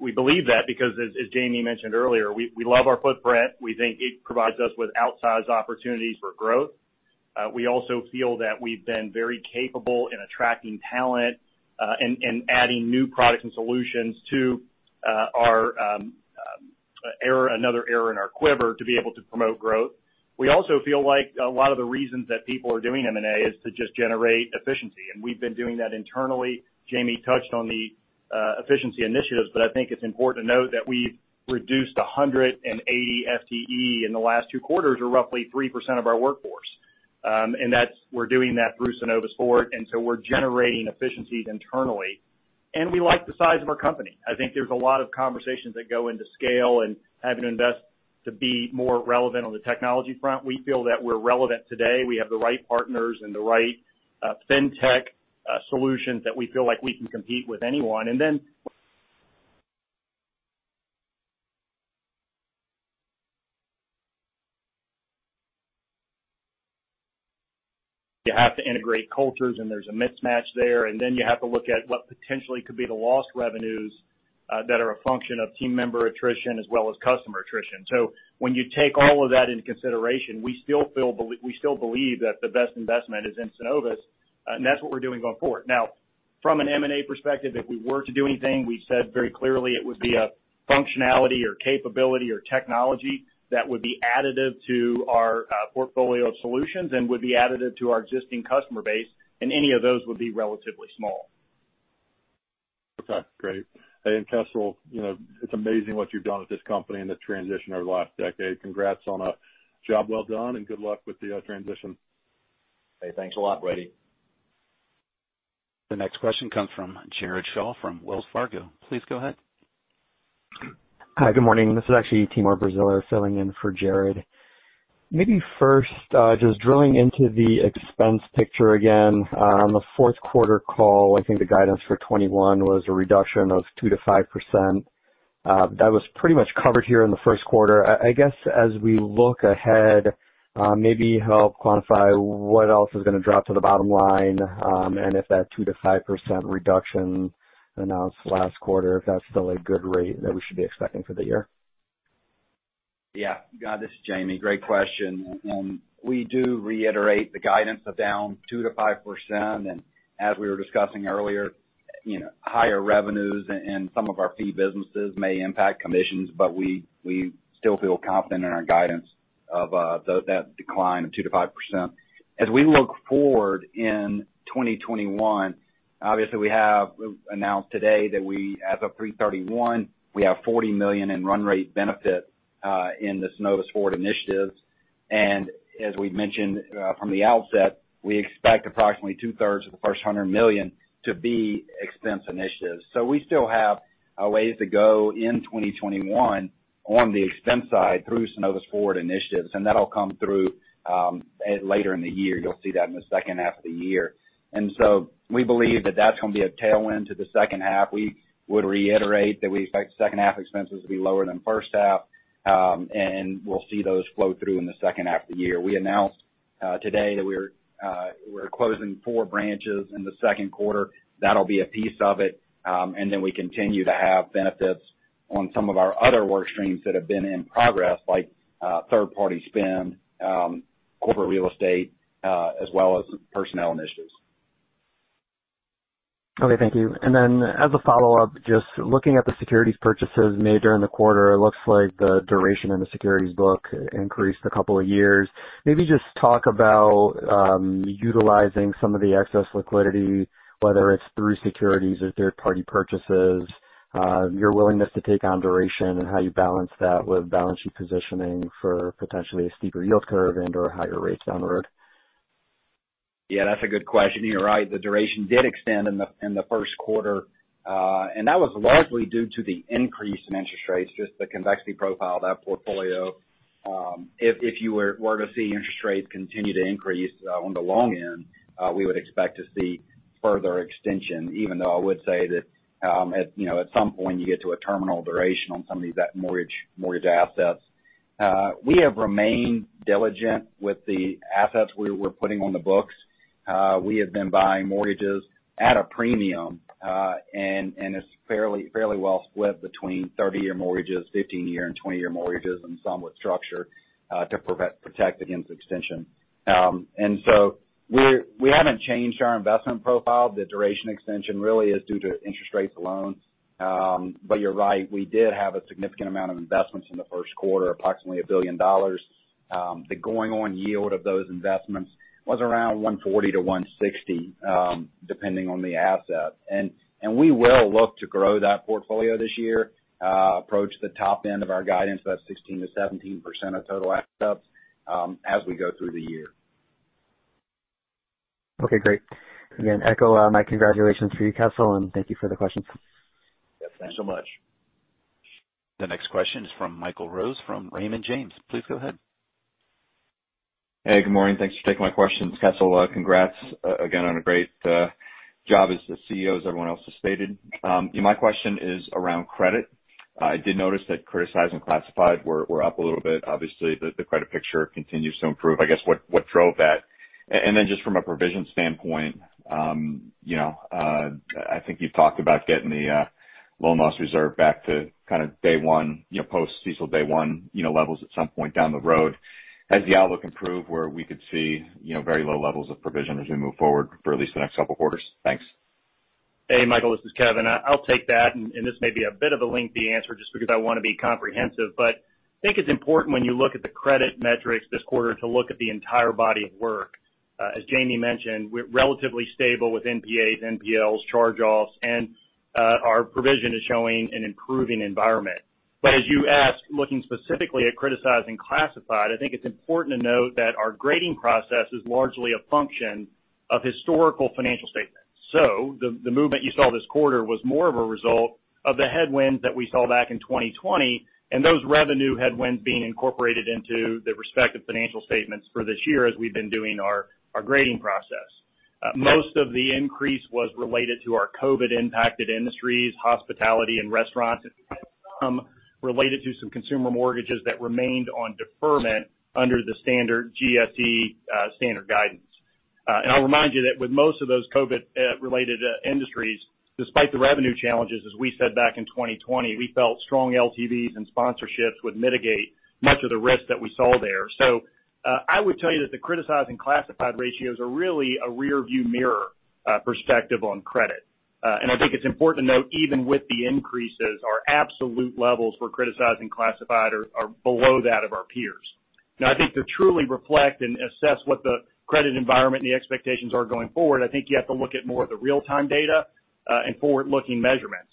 We believe that because, as Jamie mentioned earlier, we love our footprint. We think it provides us with outsized opportunities for growth. We also feel that we've been very capable in attracting talent, and adding new products and solutions to another arrow in our quiver to be able to promote growth. We also feel like a lot of the reasons that people are doing M&A is to just generate efficiency, and we've been doing that internally. Jamie touched on the efficiency initiatives, but I think it's important to note that we reduced 180 FTE in the last two quarters, or roughly 3% of our workforce. We're doing that through Synovus Forward, we're generating efficiencies internally, and we like the size of our company. I think there's a lot of conversations that go into scale and having to invest to be more relevant on the technology front. We feel that we're relevant today. We have the right partners and the right fintech solutions that we feel like we can compete with anyone. Then you have to integrate cultures, and there's a mismatch there. Then you have to look at what potentially could be the lost revenues that are a function of team member attrition as well as customer attrition. When you take all of that into consideration, we still believe that the best investment is in Synovus, and that's what we're doing going forward. Now, from an M&A perspective, if we were to do anything, we've said very clearly it would be a functionality or capability or technology that would be additive to our portfolio of solutions and would be additive to our existing customer base, and any of those would be relatively small. Okay, great. Kessel, it's amazing what you've done with this company and the transition over the last decade. Congrats on a job well done, and good luck with the transition. Hey, thanks a lot, Brady. The next question comes from Jared Shaw from Wells Fargo. Please go ahead. Hi, good morning. This is actually Timur Braziler filling in for Jared. Maybe first, just drilling into the expense picture again. On the fourth quarter call, I think the guidance for 2021 was a reduction of 2%-5%. That was pretty much covered here in the first quarter. I guess as we look ahead, maybe help quantify what else is going to drop to the bottom line, and if that 2%-5% reduction announced last quarter, if that's still a good rate that we should be expecting for the year. Yeah, this is Jamie. Great question. We do reiterate the guidance of down 2%-5%. As we were discussing earlier, higher revenues in some of our fee businesses may impact commissions, but we still feel confident in our guidance of that decline of 2%-5%. We look forward in 2021, obviously we have announced today that we, as of 3/31, we have $40 million in run rate benefit in the Synovus Forward initiatives. As we've mentioned from the outset, we expect approximately two-thirds of the first $100 million to be expense initiatives. We still have a ways to go in 2021 on the expense side through Synovus Forward initiatives, that'll come through later in the year. You'll see that in the second half of the year. We believe that that's going to be a tailwind to the second half. We would reiterate that we expect second half expenses to be lower than first half, we'll see those flow through in the second half of the year. We announced today that we're closing four branches in the second quarter. That'll be a piece of it. We continue to have benefits on some of our other work streams that have been in progress, like third party spend, corporate real estate, as well as personnel initiatives. Okay, thank you. As a follow-up, just looking at the securities purchases made during the quarter, it looks like the duration in the securities book increased a couple of years. Maybe just talk about utilizing some of the excess liquidity, whether it's through securities or third party purchases, your willingness to take on duration, and how you balance that with balance sheet positioning for potentially a steeper yield curve and/or higher rates down the road. Yeah, that's a good question, you're right. The duration did extend in the first quarter. That was largely due to the increase in interest rates, just the convexity profile of that portfolio. If you were to see interest rates continue to increase on the long end, we would expect to see further extension, even though I would say that at some point, you get to a terminal duration on some of these mortgage assets. We have remained diligent with the assets we're putting on the books. We have been buying mortgages at a premium, and it's fairly well split between 30-year mortgages, 15-year and 20-year mortgages, and some with structure to protect against extension. We haven't changed our investment profile. The duration extension really is due to interest rates alone. You're right, we did have a significant amount of investments in the first quarter, approximately a billion dollars. The going on yield of those investments was around 140 to 160, depending on the asset, and we will look to grow that portfolio this year, approach the top end of our guidance, that's 16%-17% of total assets as we go through the year. Okay, great. Again, echo my congratulations to you, Kessel, and thank you for the questions. Yes, thanks so much. The next question is from Michael Rose, from Raymond James. Please go ahead. Hey, good morning. Thanks for taking my questions. Kessel, congrats again on a great job as the CEO, as everyone else has stated. My question is around credit. I did notice that criticized and classified were up a little bit. Obviously, the credit picture continues to improve. I guess, what drove that? Then just from a provision standpoint, I think you've talked about getting the loan loss reserve back to kind of day one, post CECL day one levels at some point down the road. Has the outlook improved where we could see very low levels of provision as we move forward for at least the next couple of quarters? Thanks. Hey, Michael, this is Kevin. I'll take that, and this may be a bit of a lengthy answer just because I want to be comprehensive. I think it's important when you look at the credit metrics this quarter to look at the entire body of work. As Jamie mentioned, we're relatively stable with NPAs, NPLs, charge-offs, and our provision is showing an improving environment. As you ask, looking specifically at criticized and classified, I think it's important to note that our grading process is largely a function of historical financial statements. The movement you saw this quarter was more of a result of the headwinds that we saw back in 2020, and those revenue headwinds being incorporated into the respective financial statements for this year as we've been doing our grading process. Most of the increase was related to our COVID-impacted industries, hospitality and restaurants, and some related to some consumer mortgages that remained on deferment under the GSE standard guidance. I'll remind you that with most of those COVID-related industries, despite the revenue challenges, as we said back in 2020, we felt strong LTVs and sponsorships would mitigate much of the risk that we saw there. I would tell you that the criticized and classified ratios are really a rearview mirror perspective on credit. I think it's important to note, even with the increases, our absolute levels for criticized and classified are below that of our peers. Now, I think to truly reflect and assess what the credit environment and the expectations are going forward, I think you have to look at more of the real-time data and forward-looking measurements.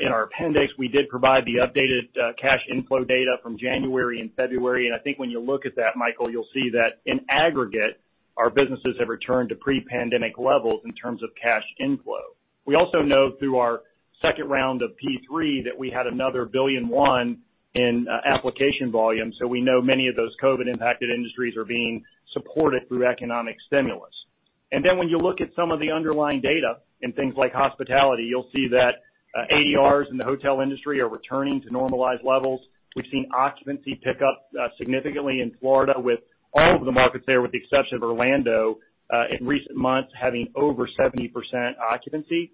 In our appendix, we did provide the updated cash inflow data from January and February, and I think when you look at that, Michael, you'll see that in aggregate, our businesses have returned to pre-pandemic levels in terms of cash inflow. We also know through our second round of P3 that we had another $1.1 billion in application volume. We know many of those COVID impacted industries are being supported through economic stimulus. When you look at some of the underlying data in things like hospitality, you'll see that ADRs in the hotel industry are returning to normalized levels. We've seen occupancy pick up significantly in Florida with all of the markets there, with the exception of Orlando, in recent months having over 70% occupancy.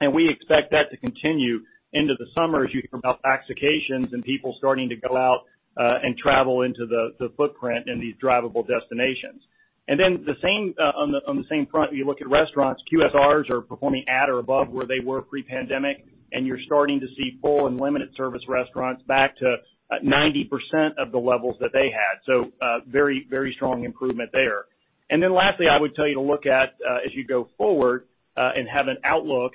We expect that to continue into the summer as you hear about vaxications and people starting to go out and travel into the footprint in these drivable destinations. On the same front, you look at restaurants, QSRs are performing at or above where they were pre-pandemic, and you're starting to see full and limited service restaurants back to 90% of the levels that they had. Very strong improvement there. Then lastly, I would tell you to look at as you go forward and have an outlook,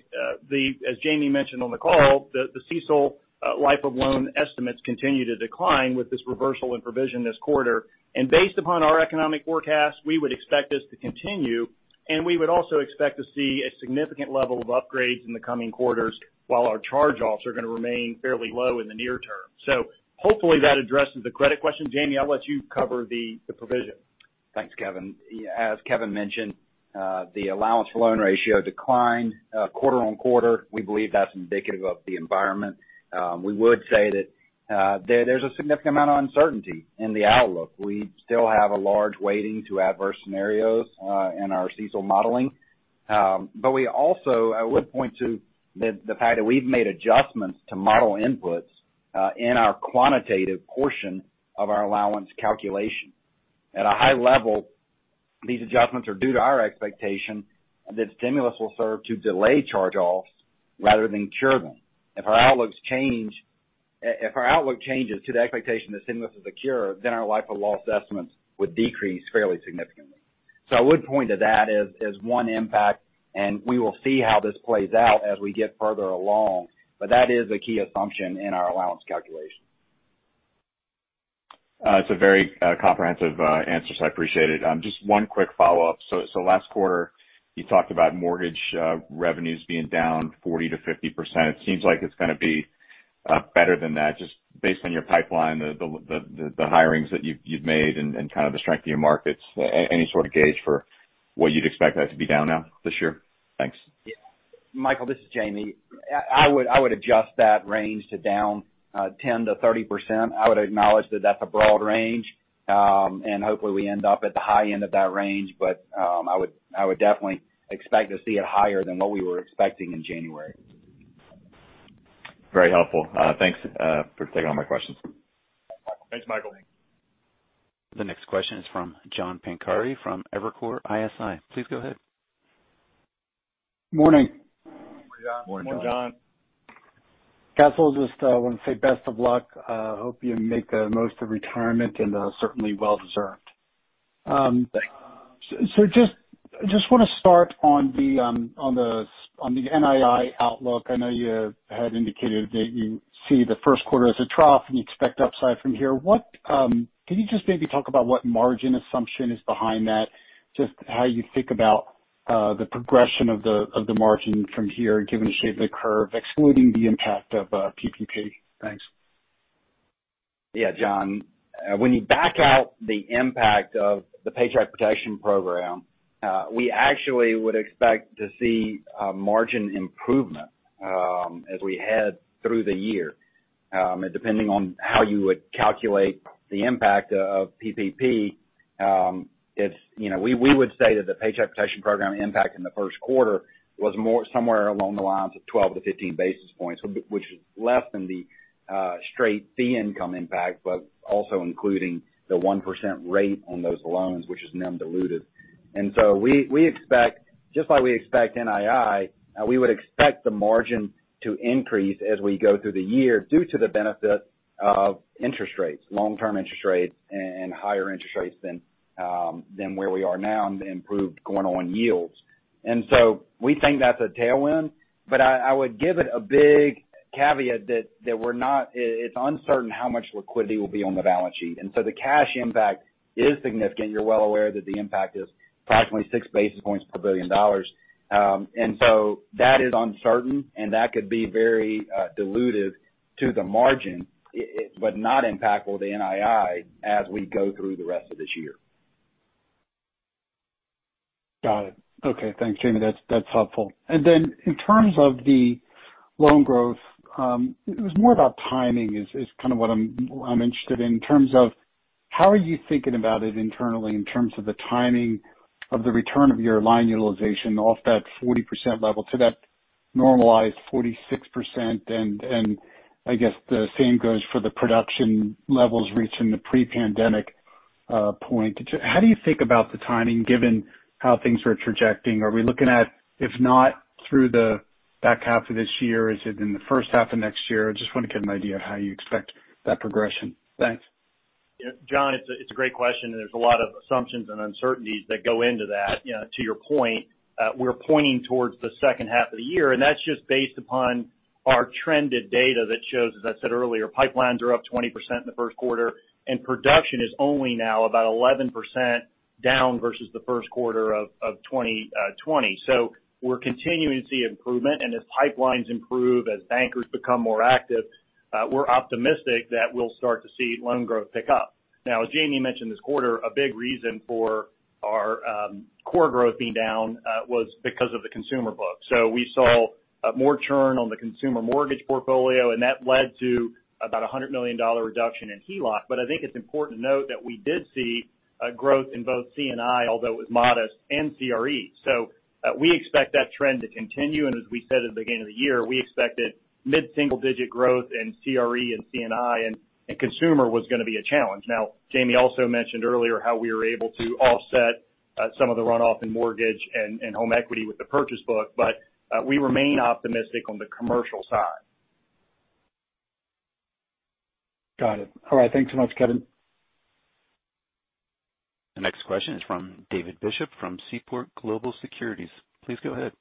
as Jamie mentioned on the call, the CECL life of loan estimates continue to decline with this reversal in provision this quarter. Based upon our economic forecast, we would expect this to continue, and we would also expect to see a significant level of upgrades in the coming quarters while our charge-offs are going to remain fairly low in the near term. Hopefully that addresses the credit question. Jamie, I'll let you cover the provision. Thanks, Kevin. As Kevin mentioned, the allowance for loan ratio declined quarter-on-quarter, we believe that's indicative of the environment. We would say that there's a significant amount of uncertainty in the outlook. We still have a large weighting to adverse scenarios in our CECL modeling. We also would point to the fact that we've made adjustments to model inputs in our quantitative portion of our allowance calculation. At a high level, these adjustments are due to our expectation that stimulus will serve to delay charge-offs rather than cure them. If our outlook changes to the expectation that stimulus is a cure, then our life of loss estimates would decrease fairly significantly. I would point to that as one impact, and we will see how this plays out as we get further along. That is a key assumption in our allowance calculation. It's a very comprehensive answer. I appreciate it. Just one quick follow-up. Last quarter, you talked about mortgage revenues being down 40% to 50%. It seems like it's going to be better than that. Just based on your pipeline, the hirings that you've made, and the strength of your markets, any sort of gauge for what you'd expect that to be down now this year? Thanks. Michael, this is Jamie. I would adjust that range to down 10%-30%. I would acknowledge that that's a broad range, and hopefully we end up at the high end of that range. I would definitely expect to see it higher than what we were expecting in January. Very helpful. Thanks for taking all my questions. Thanks, Michael. The next question is from John Pancari from Evercore ISI. Please go ahead. Morning. Morning, John. Morning, John. Kessel, just want to say best of luck. Hope you make the most of retirement, and certainly well-deserved. Thanks. Just want to start on the NII outlook. I know you had indicated that you see the first quarter as a trough, and you expect upside from here. Can you just maybe talk about what margin assumption is behind that? Just how you think about the progression of the margin from here, given the shape of the curve, excluding the impact of PPP. Thanks. John. When you back out the impact of the Paycheck Protection Program, we actually would expect to see a margin improvement as we head through the year, depending on how you would calculate the impact of PPP. We would say that the Paycheck Protection Program impact in the first quarter was somewhere along the lines of 12 to 15 basis points, which is less than the straight fee income impact, but also including the 1% rate on those loans, which is NIM diluted. Just like we expect NII, we would expect the margin to increase as we go through the year due to the benefit of interest rates, long-term interest rates, and higher interest rates than where we are now, and the improved going on yields. We think that's a tailwind, but I would give it a big caveat that it's uncertain how much liquidity will be on the balance sheet. The cash impact is significant. You're well aware that the impact is approximately six basis points per $1 billion. That is uncertain, and that could be very dilutive to the margin, but not impactful to NII as we go through the rest of this year. Got it. Okay. Thanks, Jamie. That's helpful. In terms of the loan growth, it was more about timing is kind of what I'm interested in terms of how are you thinking about it internally in terms of the timing of the return of your line utilization off that 40% level to that normalized 46%? I guess the same goes for the production levels reaching the pre-pandemic point. How do you think about the timing given how things are trajecting? Are we looking at, if not through the back half of this year, is it in the first half of next year? I just want to get an idea of how you expect that progression. Thanks. John, it's a great question, and there's a lot of assumptions and uncertainties that go into that. To your point, we're pointing towards the second half of the year, and that's just based upon our trended data that shows, as I said earlier, pipelines are up 20% in the first quarter, and production is only now about 11% down versus the first quarter of 2020. We're continuing to see improvement, and as pipelines improve, as bankers become more active, we're optimistic that we'll start to see loan growth pick up. Now, as Jamie mentioned this quarter, a big reason for our core growth being down was because of the consumer book. We saw more churn on the consumer mortgage portfolio, and that led to about $100 million reduction in HELOC. I think it's important to note that we did see a growth in both C&I, although it was modest, and CRE. We expect that trend to continue, and as we said at the beginning of the year, we expected mid-single digit growth in CRE and C&I, and consumer was going to be a challenge. Jamie also mentioned earlier how we were able to offset some of the runoff in mortgage and home equity with the purchase book. We remain optimistic on the commercial side. Got it. All right, thanks so much, Kevin. The next question is from David Bishop from Seaport Global Securities. Please go ahead.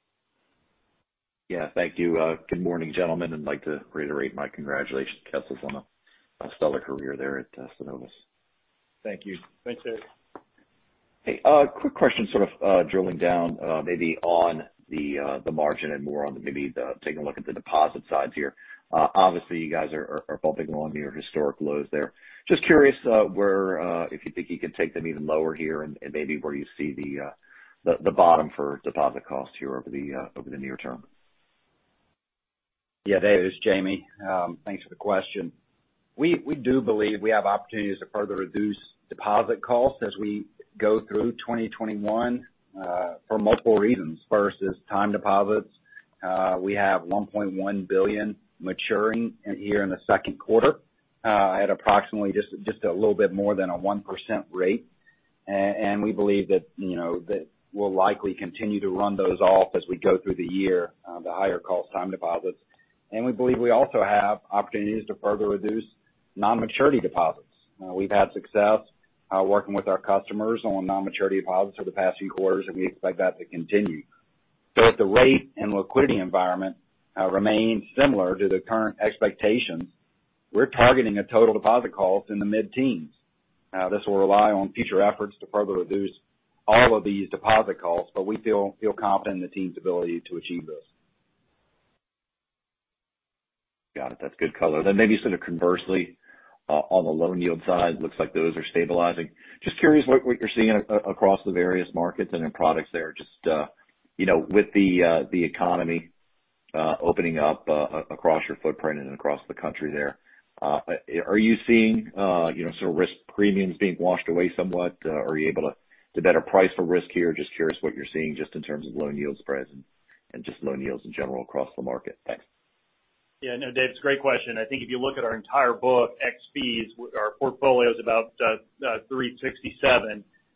Yeah, thank you. Good morning, gentlemen, and I'd like to reiterate my congratulations, Kessel, on a stellar career there at Synovus. Thank you. Thanks, Dave. Hey. A quick question, sort of drilling down maybe on the margin and more on the, taking a look at the deposit sides here. Obviously, you guys are bumping along near historic lows there. Just curious if you think you can take them even lower here and, maybe where you see the bottom for deposit costs here over the near term. Yeah, Dave, it's Jamie, thanks for the question. We do believe we have opportunities to further reduce deposit costs as we go through 2021, for multiple reasons. First is time deposits. We have $1.1 billion maturing here in the second quarter, at approximately just a little bit more than a 1% rate. We believe that we'll likely continue to run those off as we go through the year, the higher cost time deposits. We believe we also have opportunities to further reduce non-maturity deposits. We've had success working with our customers on non-maturity deposits for the past few quarters, and we expect that to continue. If the rate and liquidity environment remains similar to the current expectations, we're targeting a total deposit cost in the mid-teens. This will rely on future efforts to further reduce all of these deposit costs, but we feel confident in the team's ability to achieve this. Got it, that's good color. Maybe sort of conversely, on the low yield side, looks like those are stabilizing. Just curious what you're seeing across the various markets and in products there, with the economy opening up across your footprint and across the country there, are you seeing sort of risk premiums being washed away somewhat? Are you able to better price for risk here? Just curious what you're seeing just in terms of loan yield spreads and just loan yields in general across the market. Thanks. Yeah. No, Dave, it's a great question. I think if you look at our entire book, X fees, our portfolio's about 3.67%,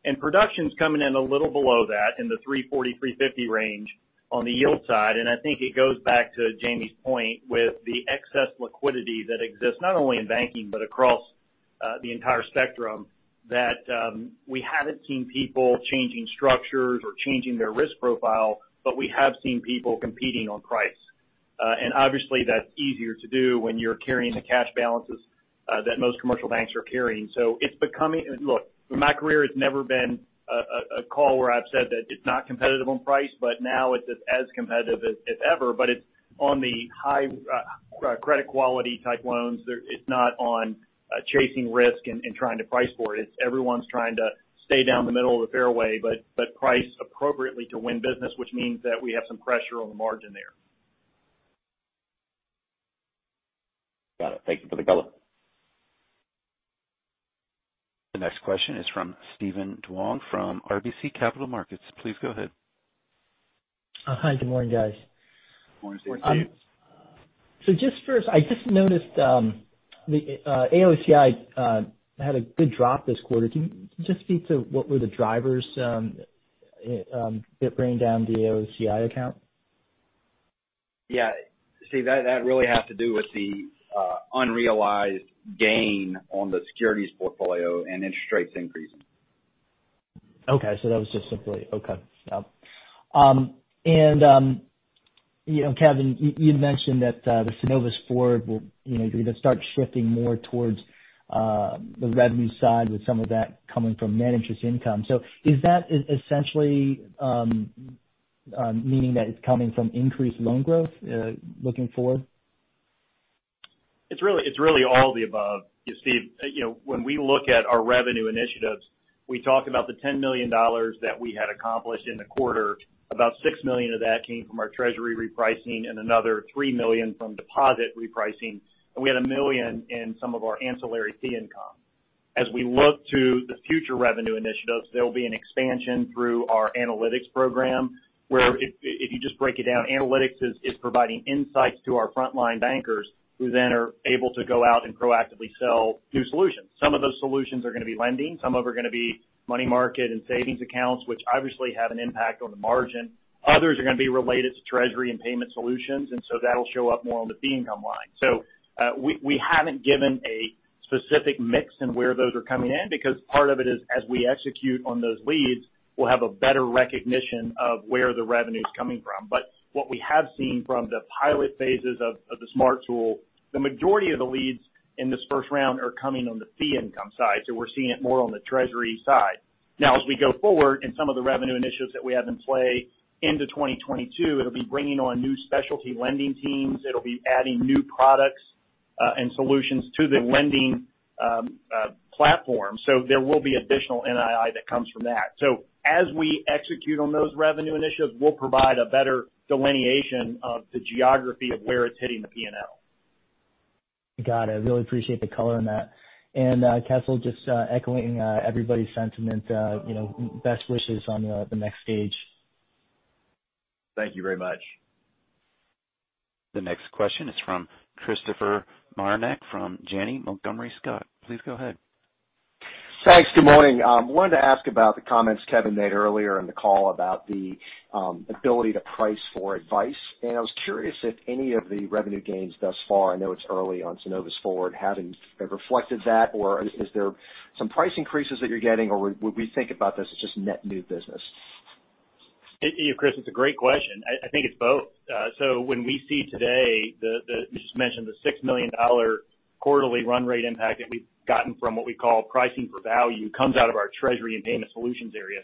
and production's coming in a little below that in the 3.40%-3.50% range on the yield side. I think it goes back to Jamie's point with the excess liquidity that exists not only in banking but across the entire spectrum, that we haven't seen people changing structures or changing their risk profile, but we have seen people competing on price. Obviously, that's easier to do when you're carrying the cash balances that most commercial banks are carrying. Look, my career has never been a call where I've said that it's not competitive on price, but now it's as competitive as ever, but it's on the high credit quality type loans. It's not on chasing risk and trying to price for it. It's everyone's trying to stay down the middle of the fairway, but price appropriately to win business, which means that we have some pressure on the margin there. Got it. Thank you for the color. The next question is from Steven Duong from RBC Capital Markets. Please go ahead. Hi, good morning, guys. Morning, Steve. Morning. Just first, I just noticed, the, AOCI had a good drop this quarter. Can you just speak to what were the drivers that brought down the AOCI account? Yeah. Steve, that really has to do with the unrealized gain on the securities portfolio and interest rates increasing. Okay, that was just okay. Yeah. Kevin, you had mentioned that the Synovus Forward will either start shifting more towards the revenue side with some of that coming from net interest income. Is that essentially meaning that it's coming from increased loan growth looking forward? It's really all of the above. Steve, when we look at our revenue initiatives, we talk about the $10 million that we had accomplished in the quarter. About $6 million of that came from our treasury repricing and another $3 million from deposit repricing, and we had $1 million in some of our ancillary fee income. As we look to the future revenue initiatives, there will be an expansion through our analytics program. Where if you just break it down, analytics is providing insights to our frontline bankers who then are able to go out and proactively sell new solutions. Some of those solutions are going to be lending, some of them are going to be money market and savings accounts, which obviously have an impact on the margin. Others are going to be related to treasury and payment solutions, and so that'll show up more on the fee income line. We haven't given a specific mix in where those are coming in because part of it is as we execute on those leads, we'll have a better recognition of where the revenue's coming from. What we have seen from the pilot phases of the SMART tool, the majority of the leads in this first round are coming on the fee income side. We're seeing it more on the treasury side. Now, as we go forward in some of the revenue initiatives that we have in play into 2022, it'll be bringing on new specialty lending teams. It'll be adding new products, and solutions to the lending platform. There will be additional NII that comes from that. As we execute on those revenue initiatives, we'll provide a better delineation of the geography of where it's hitting the P&L. Got it. Really appreciate the color on that. Kessel, just echoing everybody's sentiment, best wishes on the next stage. Thank you very much. The next question is from Christopher Marinac from Janney Montgomery Scott. Please go ahead. Thanks, good morning. I wanted to ask about the comments Kevin made earlier in the call about the ability to price for advice. I was curious if any of the revenue gains thus far, I know it's early on Synovus Forward, have reflected that or is there some price increases that you're getting or would we think about this as just net new business? Chris, it's a great question. I think it's both. When we see today, you just mentioned the $6 million quarterly run rate impact that we've gotten from what we call Price for Value comes out of our treasury and payment solutions area.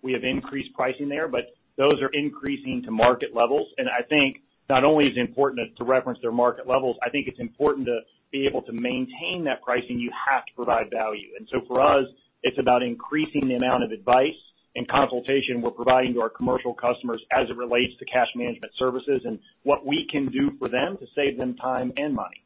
We have increased pricing there, but those are increasing to market levels. I think not only is it important to reference their market levels, I think it's important to be able to maintain that pricing, you have to provide value. For us, it's about increasing the amount of advice and consultation we're providing to our commercial customers as it relates to cash management services and what we can do for them to save them time and money.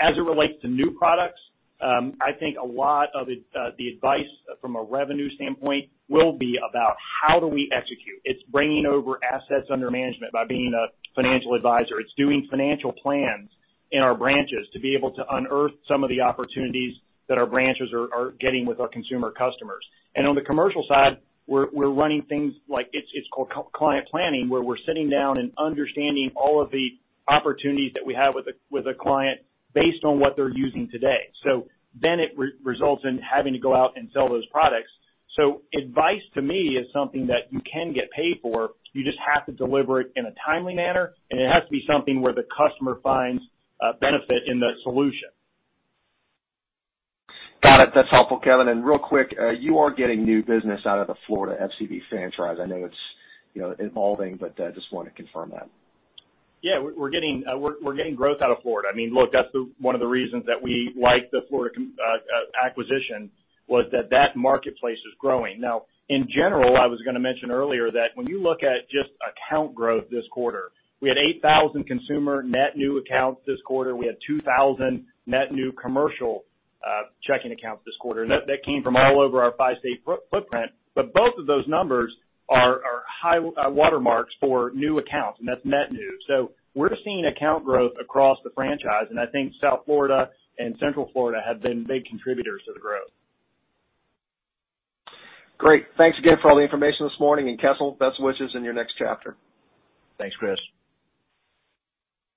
As it relates to new products, I think a lot of the advice from a revenue standpoint will be about how do we execute. It's bringing over assets under management by being a financial advisor. It's doing financial plans in our branches to be able to unearth some of the opportunities that our branches are getting with our consumer customers. On the commercial side, we're running things like it's called client planning, where we're sitting down and understanding all of the opportunities that we have with a client based on what they're using today. It results in having to go out and sell those products. Advice to me is something that you can get paid for. You just have to deliver it in a timely manner, and it has to be something where the customer finds benefit in the solution. Got it, that's helpful, Kevin. Real quick, you are getting new business out of the Florida FCB franchise. I know it's evolving, but I just want to confirm that. Yeah, we're getting growth out of Florida. Look, that's one of the reasons that we like the Florida acquisition was that that marketplace is growing. In general, I was going to mention earlier that when you look at just account growth this quarter, we had 8,000 consumer net new accounts this quarter. We had 2,000 net new commercial checking accounts this quarter. That came from all over our five-state footprint. Both of those numbers are high water marks for new accounts, and that's net new. We're seeing account growth across the franchise, and I think South Florida and Central Florida have been big contributors to the growth. Great. Thanks again for all the information this morning. Kessel, best wishes in your next chapter. Thanks, Chris.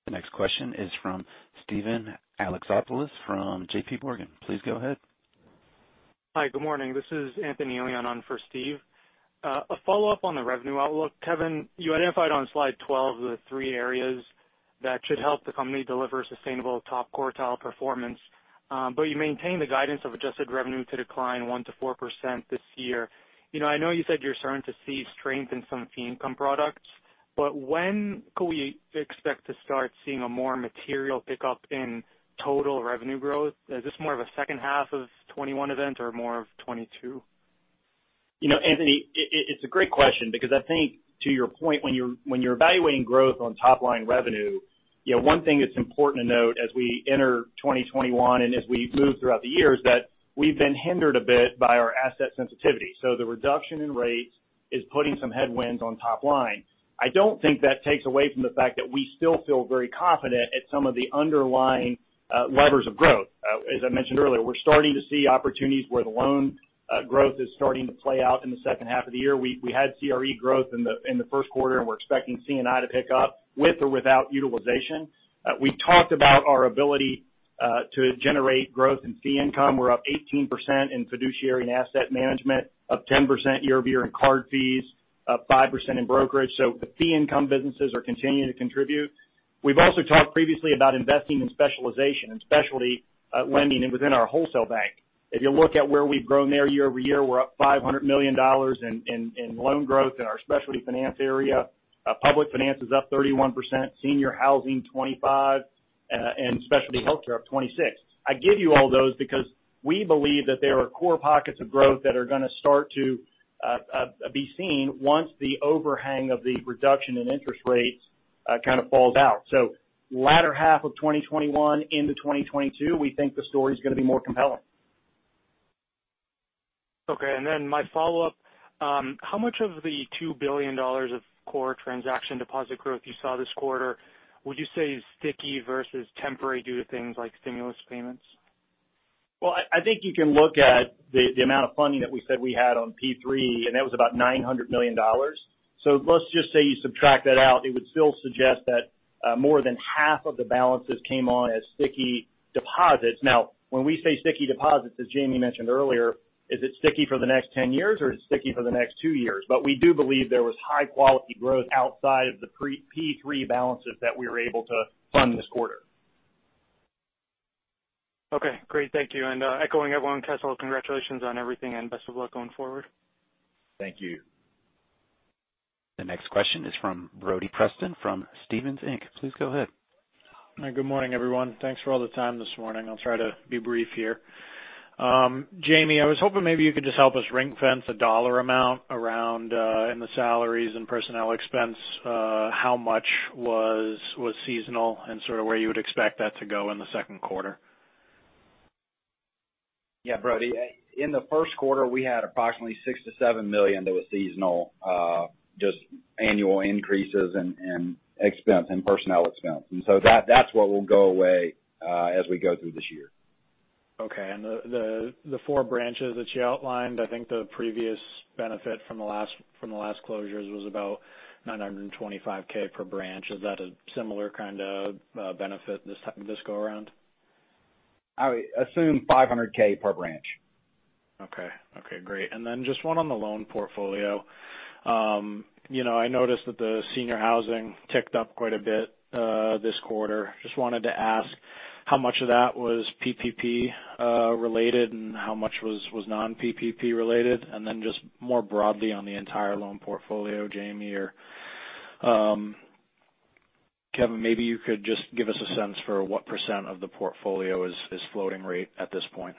The next question is from Steven Alexopoulos from JPMorgan. Please go ahead. Hi, good morning. This is Anthony Elian on for Steve. A follow-up on the revenue outlook. Kevin, you identified on slide 12 the three areas that should help the company deliver sustainable top quartile performance. You maintain the guidance of adjusted revenue to decline 1%-4% this year. I know you said you're starting to see strength in some fee income products, but when could we expect to start seeing a more material pickup in total revenue growth? Is this more of a second half of 2021 event or more of 2022? Anthony, it's a great question because I think to your point, when you're evaluating growth on top line revenue, one thing that's important to note as we enter 2021 and as we move throughout the years, that we've been hindered a bit by our asset sensitivity. The reduction in rates is putting some headwinds on top line. I don't think that takes away from the fact that we still feel very confident at some of the underlying levers of growth. As I mentioned earlier, we're starting to see opportunities where the loan growth is starting to play out in the second half of the year. We had CRE growth in the first quarter, and we're expecting C&I to pick up with or without utilization. We talked about our ability to generate growth in fee income. We're up 18% in fiduciary and asset management, up 10% year-over-year in card fees, up 5% in brokerage. The fee income businesses are continuing to contribute. We've also talked previously about investing in specialization and Specialty Lending within our Wholesale Bank. If you look at where we've grown there year-over-year, we're up $500 million in loan growth in our Specialty Finance area. Public Finance is up 31%, Senior Housing 25%, and Specialty Healthcare up 26%. I give you all those because we believe that there are core pockets of growth that are going to start to be seen once the overhang of the reduction in interest rates kind of falls out. Latter half of 2021 into 2022, we think the story is going to be more compelling. Okay. My follow-up, how much of the $2 billion of core transaction deposit growth you saw this quarter would you say is sticky versus temporary due to things like stimulus payments? I think you can look at the amount of funding that we said we had on P3, that was about $900 million. Let's just say you subtract that out, it would still suggest that more than half of the balances came on as sticky deposits. When we say sticky deposits, as Jamie mentioned earlier, is it sticky for the next 10 years or is it sticky for the next two years? We do believe there was high quality growth outside of the P3 balances that we were able to fund this quarter. Okay, great thank you. Echoing everyone, Kessel, congratulations on everything and best of luck going forward. Thank you. The next question is from Brody Preston from Stephens Inc. Please go ahead. Good morning, everyone. Thanks for all the time this morning. I'll try to be brief here. Jamie, I was hoping maybe you could just help us ring-fence a dollar amount around in the salaries and personnel expense, how much was seasonal and sort of where you would expect that to go in the second quarter? Yeah, Brody. In the first quarter, we had approximately $6 million-$7 million that was seasonal, just annual increases in expense and personnel expense. That's what will go away as we go through this year. Okay. The four branches that you outlined, I think the previous benefit from the last closures was about $925K per branch. Is that a similar kind of benefit this go around? I would assume $500K per branch. Okay. Okay, great. Just one on the loan portfolio. I noticed that the senior housing ticked up quite a bit this quarter. Just wanted to ask how much of that was PPP related and how much was non-PPP related? Just more broadly on the entire loan portfolio, Jamie or Kevin, maybe you could just give us a sense for what percent of the portfolio is floating rate at this point.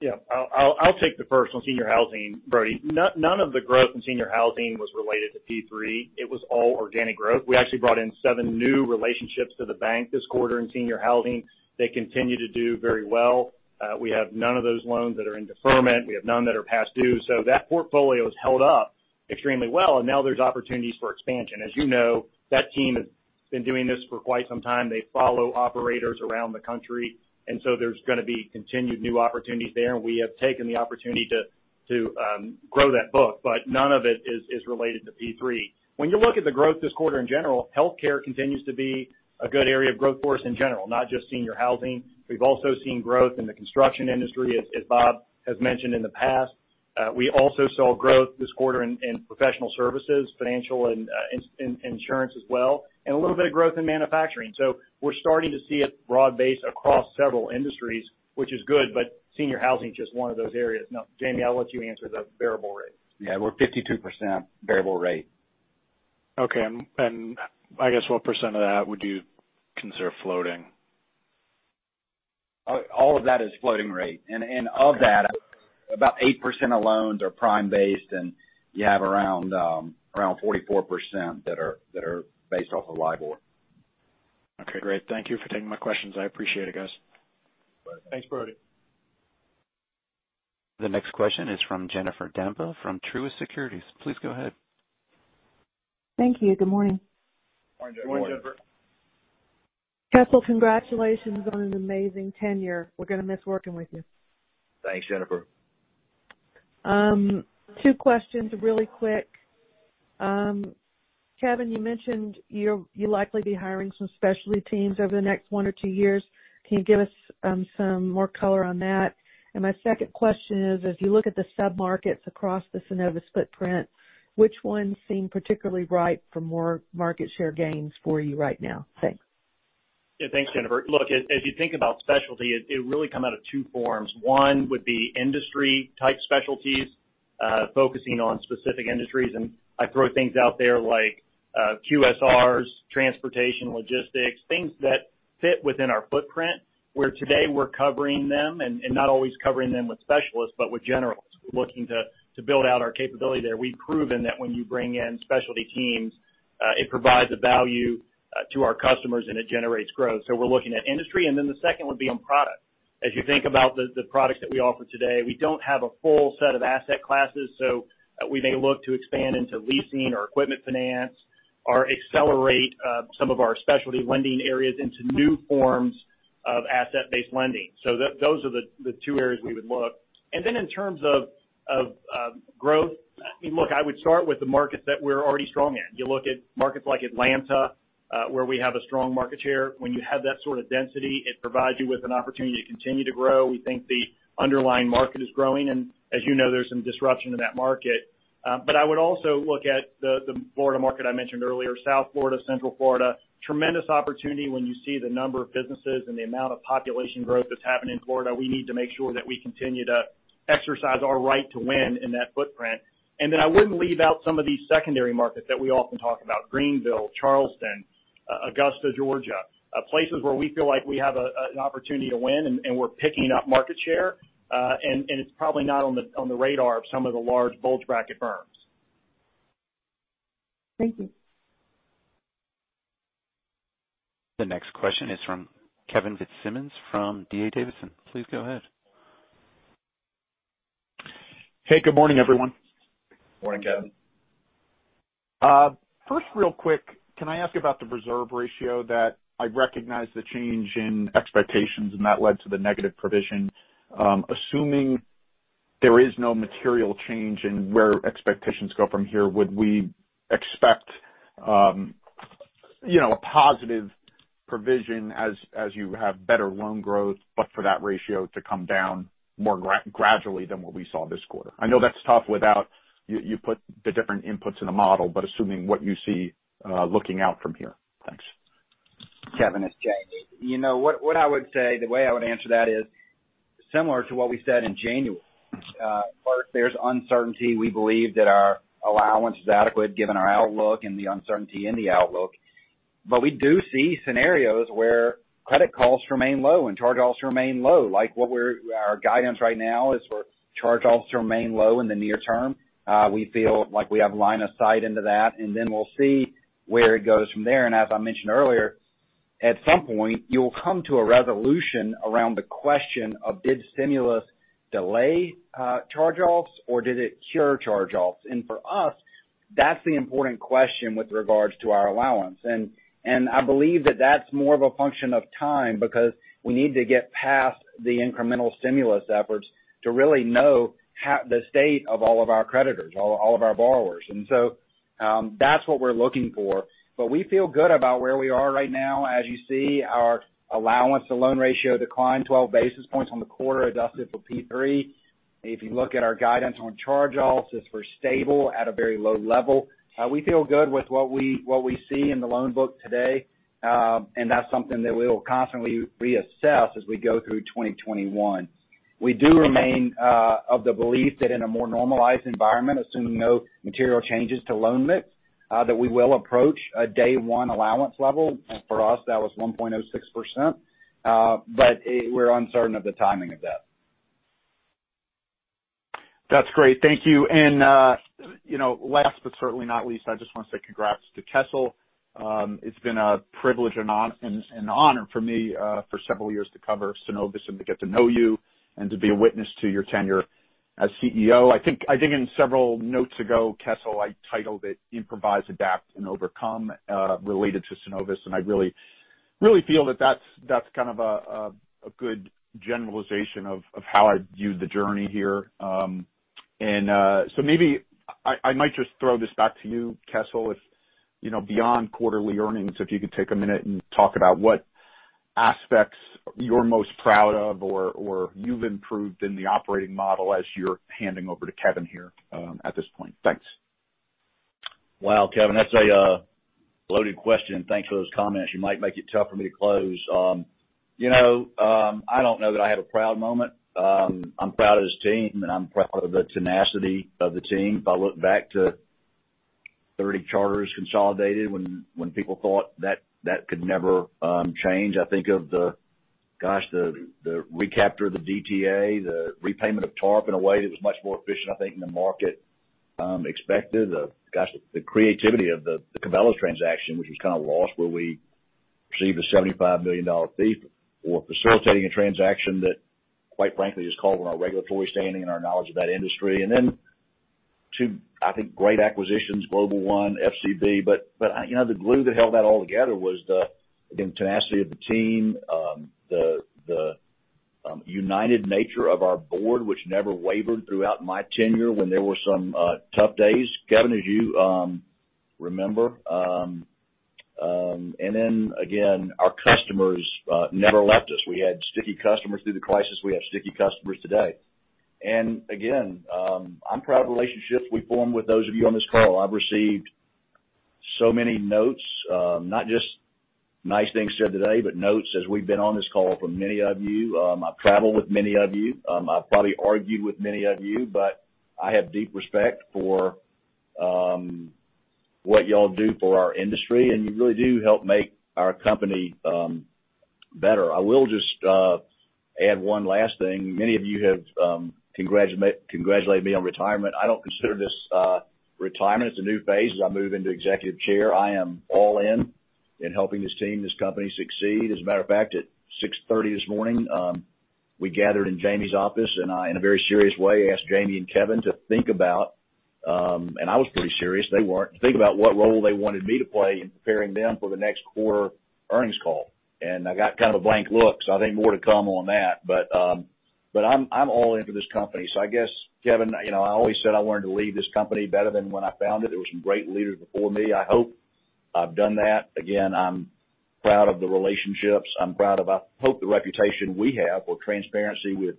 Yeah. I'll take the first on senior housing, Brody. None of the growth in senior housing was related to P3. It was all organic growth. We actually brought in seven new relationships to the bank this quarter in senior housing. They continue to do very well. We have none of those loans that are in deferment. We have none that are past due. That portfolio has held up extremely well, and now there's opportunities for expansion. As you know, that team has been doing this for quite some time. They follow operators around the country, and so there's going to be continued new opportunities there, and we have taken the opportunity to grow that book. None of it is related to P3. When you look at the growth this quarter in general, healthcare continues to be a good area of growth for us in general, not just senior housing. We've also seen growth in the construction industry, as Bob has mentioned in the past. We also saw growth this quarter in professional services, financial, and insurance as well, and a little bit of growth in manufacturing. We're starting to see it broad-based across several industries, which is good, but senior housing is just one of those areas. Now, Jamie, I'll let you answer the variable rate. Yeah, we're 52% variable rate. Okay. I guess what percent of that would you consider floating? All of that is floating rate. Of that, about 8% of loans are prime-based, and you have around 44% that are based off of LIBOR. Okay, great. Thank you for taking my questions. I appreciate it, guys. Thanks, Brody. The next question is from Jennifer Demba from Truist Securities. Please go ahead. Thank you. Good morning. Morning, Jennifer. Morning. Kessel, congratulations on an amazing tenure. We're going to miss working with you. Thanks, Jennifer. Two questions really quick. Kevin, you mentioned you'll likely be hiring some specialty teams over the next one or two years. Can you give us some more color on that? My second question is, if you look at the sub-markets across the Synovus footprint, which ones seem particularly ripe for more market share gains for you right now? Thanks. Yeah. Thanks, Jennifer. Look, as you think about specialty, it would really come out of two forms. One would be industry type specialties, focusing on specific industries, and I throw things out there like QSRs, transportation, logistics, things that fit within our footprint, where today we're covering them and not always covering them with specialists, but with generals. We're looking to build out our capability there. We've proven that when you bring in specialty teams, it provides a value to our customers and it generates growth. We're looking at industry, and then the second would be on product. As you think about the products that we offer today, we don't have a full set of asset classes, so we may look to expand into leasing or equipment finance or accelerate some of our specialty lending areas into new forms of asset-based lending. Those are the two areas we would look. Then in terms of growth, look, I would start with the markets that we're already strong in. You look at markets like Atlanta, where we have a strong market share. When you have that sort of density, it provides you with an opportunity to continue to grow. We think the underlying market is growing, and as you know, there's some disruption in that market. I would also look at the Florida market I mentioned earlier, South Florida, Central Florida. Tremendous opportunity when you see the number of businesses and the amount of population growth that's happening in Florida. We need to make sure that we continue to exercise our right to win in that footprint. I wouldn't leave out some of these secondary markets that we often talk about, Greenville, Charleston, Augusta, Georgia, places where we feel like we have an opportunity to win and we're picking up market share. It's probably not on the radar of some of the large bulge bracket firms. Thank you. The next question is from Kevin Fitzsimmons from D.A. Davidson. Please go ahead. Hey, good morning, everyone. Morning, Kevin. First, real quick, can I ask about the reserve ratio that I recognize the change in expectations and that led to the negative provision? Assuming there is no material change in where expectations go from here, would we expect a positive provision as you have better loan growth, but for that ratio to come down more gradually than what we saw this quarter? I know that's tough without you put the different inputs in a model, but assuming what you see looking out from here. Thanks. Kevin, it's Jamie. What I would say, the way I would answer that is similar to what we said in January. First, there's uncertainty. We believe that our allowance is adequate given our outlook and the uncertainty in the outlook. We do see scenarios where credit costs remain low and charge-offs remain low. Like our guidance right now is for charge-offs to remain low in the near term. We feel like we have line of sight into that, and then we'll see where it goes from there. As I mentioned earlier, at some point, you will come to a resolution around the question of did stimulus delay charge-offs or did it cure charge-offs? That's the important question with regards to our allowance. I believe that that's more of a function of time because we need to get past the incremental stimulus efforts to really know the state of all of our creditors, all of our borrowers. So, that's what we're looking for. We feel good about where we are right now. As you see, our allowance to loan ratio declined 12 basis points on the quarter, adjusted for P3. If you look at our guidance on charge-offs, it's we're stable at a very low level. We feel good with what we see in the loan book today, and that's something that we will constantly reassess as we go through 2021. We do remain of the belief that in a more normalized environment, assuming no material changes to loan mix, that we will approach a day one allowance level. For us, that was 1.06%. We're uncertain of the timing of that. That's great. Thank you. Last but certainly not least, I just want to say congrats to Kessel. It's been a privilege and an honor for me for several years to cover Synovus and to get to know you and to be a witness to your tenure as CEO. I think in several notes ago, Kessel, I titled it, "Improvise, Adapt, and Overcome," related to Synovus, and I really feel that that's kind of a good generalization of how I viewed the journey here. Maybe I might just throw this back to you, Kessel. Beyond quarterly earnings, if you could take a minute and talk about what aspects you're most proud of or you've improved in the operating model as you're handing over to Kevin here at this point. Thanks. Wow, Kevin, that's a loaded question. Thanks for those comments. You might make it tough for me to close. I don't know that I have a proud moment. I'm proud of this team, and I'm proud of the tenacity of the team. If I look back to 30 charters consolidated when people thought that could never change. I think of the, gosh, the recapture of the DTA, the repayment of TARP in a way that was much more efficient, I think, than the market expected. Gosh, the creativity of the Cabela's transaction, which was kind of lost, where we received a $75 million fee for facilitating a transaction that, quite frankly, just called on our regulatory standing and our knowledge of that industry. And then two, I think, great acquisitions, Global One, FCB. The glue that held that all together was the tenacity of the team, the united nature of our board, which never wavered throughout my tenure when there were some tough days, Kevin, as you remember. Then, again, our customers never left us. We had sticky customers through the crisis. We have sticky customers today. Again, I'm proud of the relationships we formed with those of you on this call. I've received so many notes, not just nice things said today, but notes as we've been on this call from many of you. I've traveled with many of you. I've probably argued with many of you, but I have deep respect for what y'all do for our industry, and you really do help make our company better. I will just add one last thing. Many of you have congratulated me on retirement. I don't consider this retirement. It's a new phase as I move into executive chair. I am all in helping this team, this company succeed. As a matter of fact, at 6:30 A.M. this morning, we gathered in Jamie's office, I, in a very serious way, asked Jamie and Kevin to think about, and I was pretty serious, they weren't, to think about what role they wanted me to play in preparing them for the next quarter earnings call. I got kind of a blank look, I think more to come on that. I'm all into this company. I guess, Kevin, I always said I wanted to leave this company better than when I found it. There were some great leaders before me. I hope I've done that. Again, I'm proud of the relationships. I hope the reputation we have with transparency with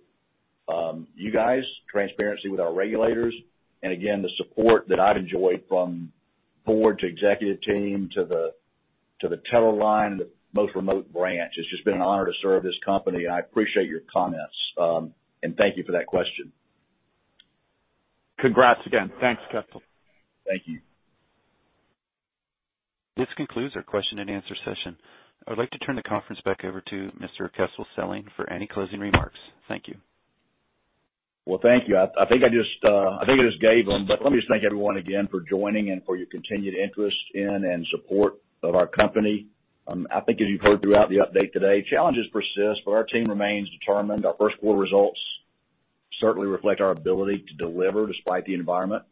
you guys, transparency with our regulators, and again, the support that I've enjoyed from board to executive team to the teller line, the most remote branch. It's just been an honor to serve this company, and I appreciate your comments. Thank you for that question. Congrats again. Thanks, Kessel. Thank you. This concludes our question and answer session. I'd like to turn the conference back over to Mr. Kessel Stelling for any closing remarks. Thank you. Thank you. I think I just gave them, but let me just thank everyone again for joining and for your continued interest in and support of our company. I think as you've heard throughout the update today, challenges persist, but our team remains determined. Our first quarter results certainly reflect our ability to deliver despite the environment.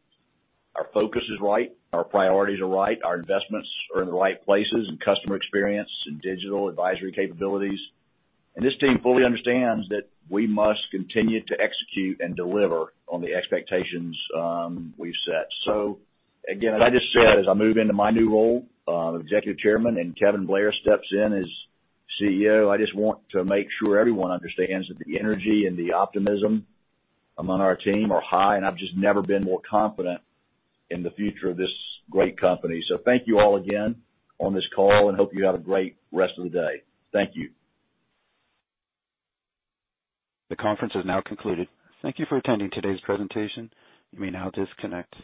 Our focus is right, our priorities are right, our investments are in the right places in customer experience and digital advisory capabilities. This team fully understands that we must continue to execute and deliver on the expectations we've set. Again, as I just said, as I move into my new role of Executive Chairman and Kevin Blair steps in as CEO, I just want to make sure everyone understands that the energy and the optimism among our team are high, and I've just never been more confident in the future of this great company. Thank you all again on this call, and hope you have a great rest of the day. Thank you. The conference is now concluded. Thank you for attending today's presentation. You may now disconnect.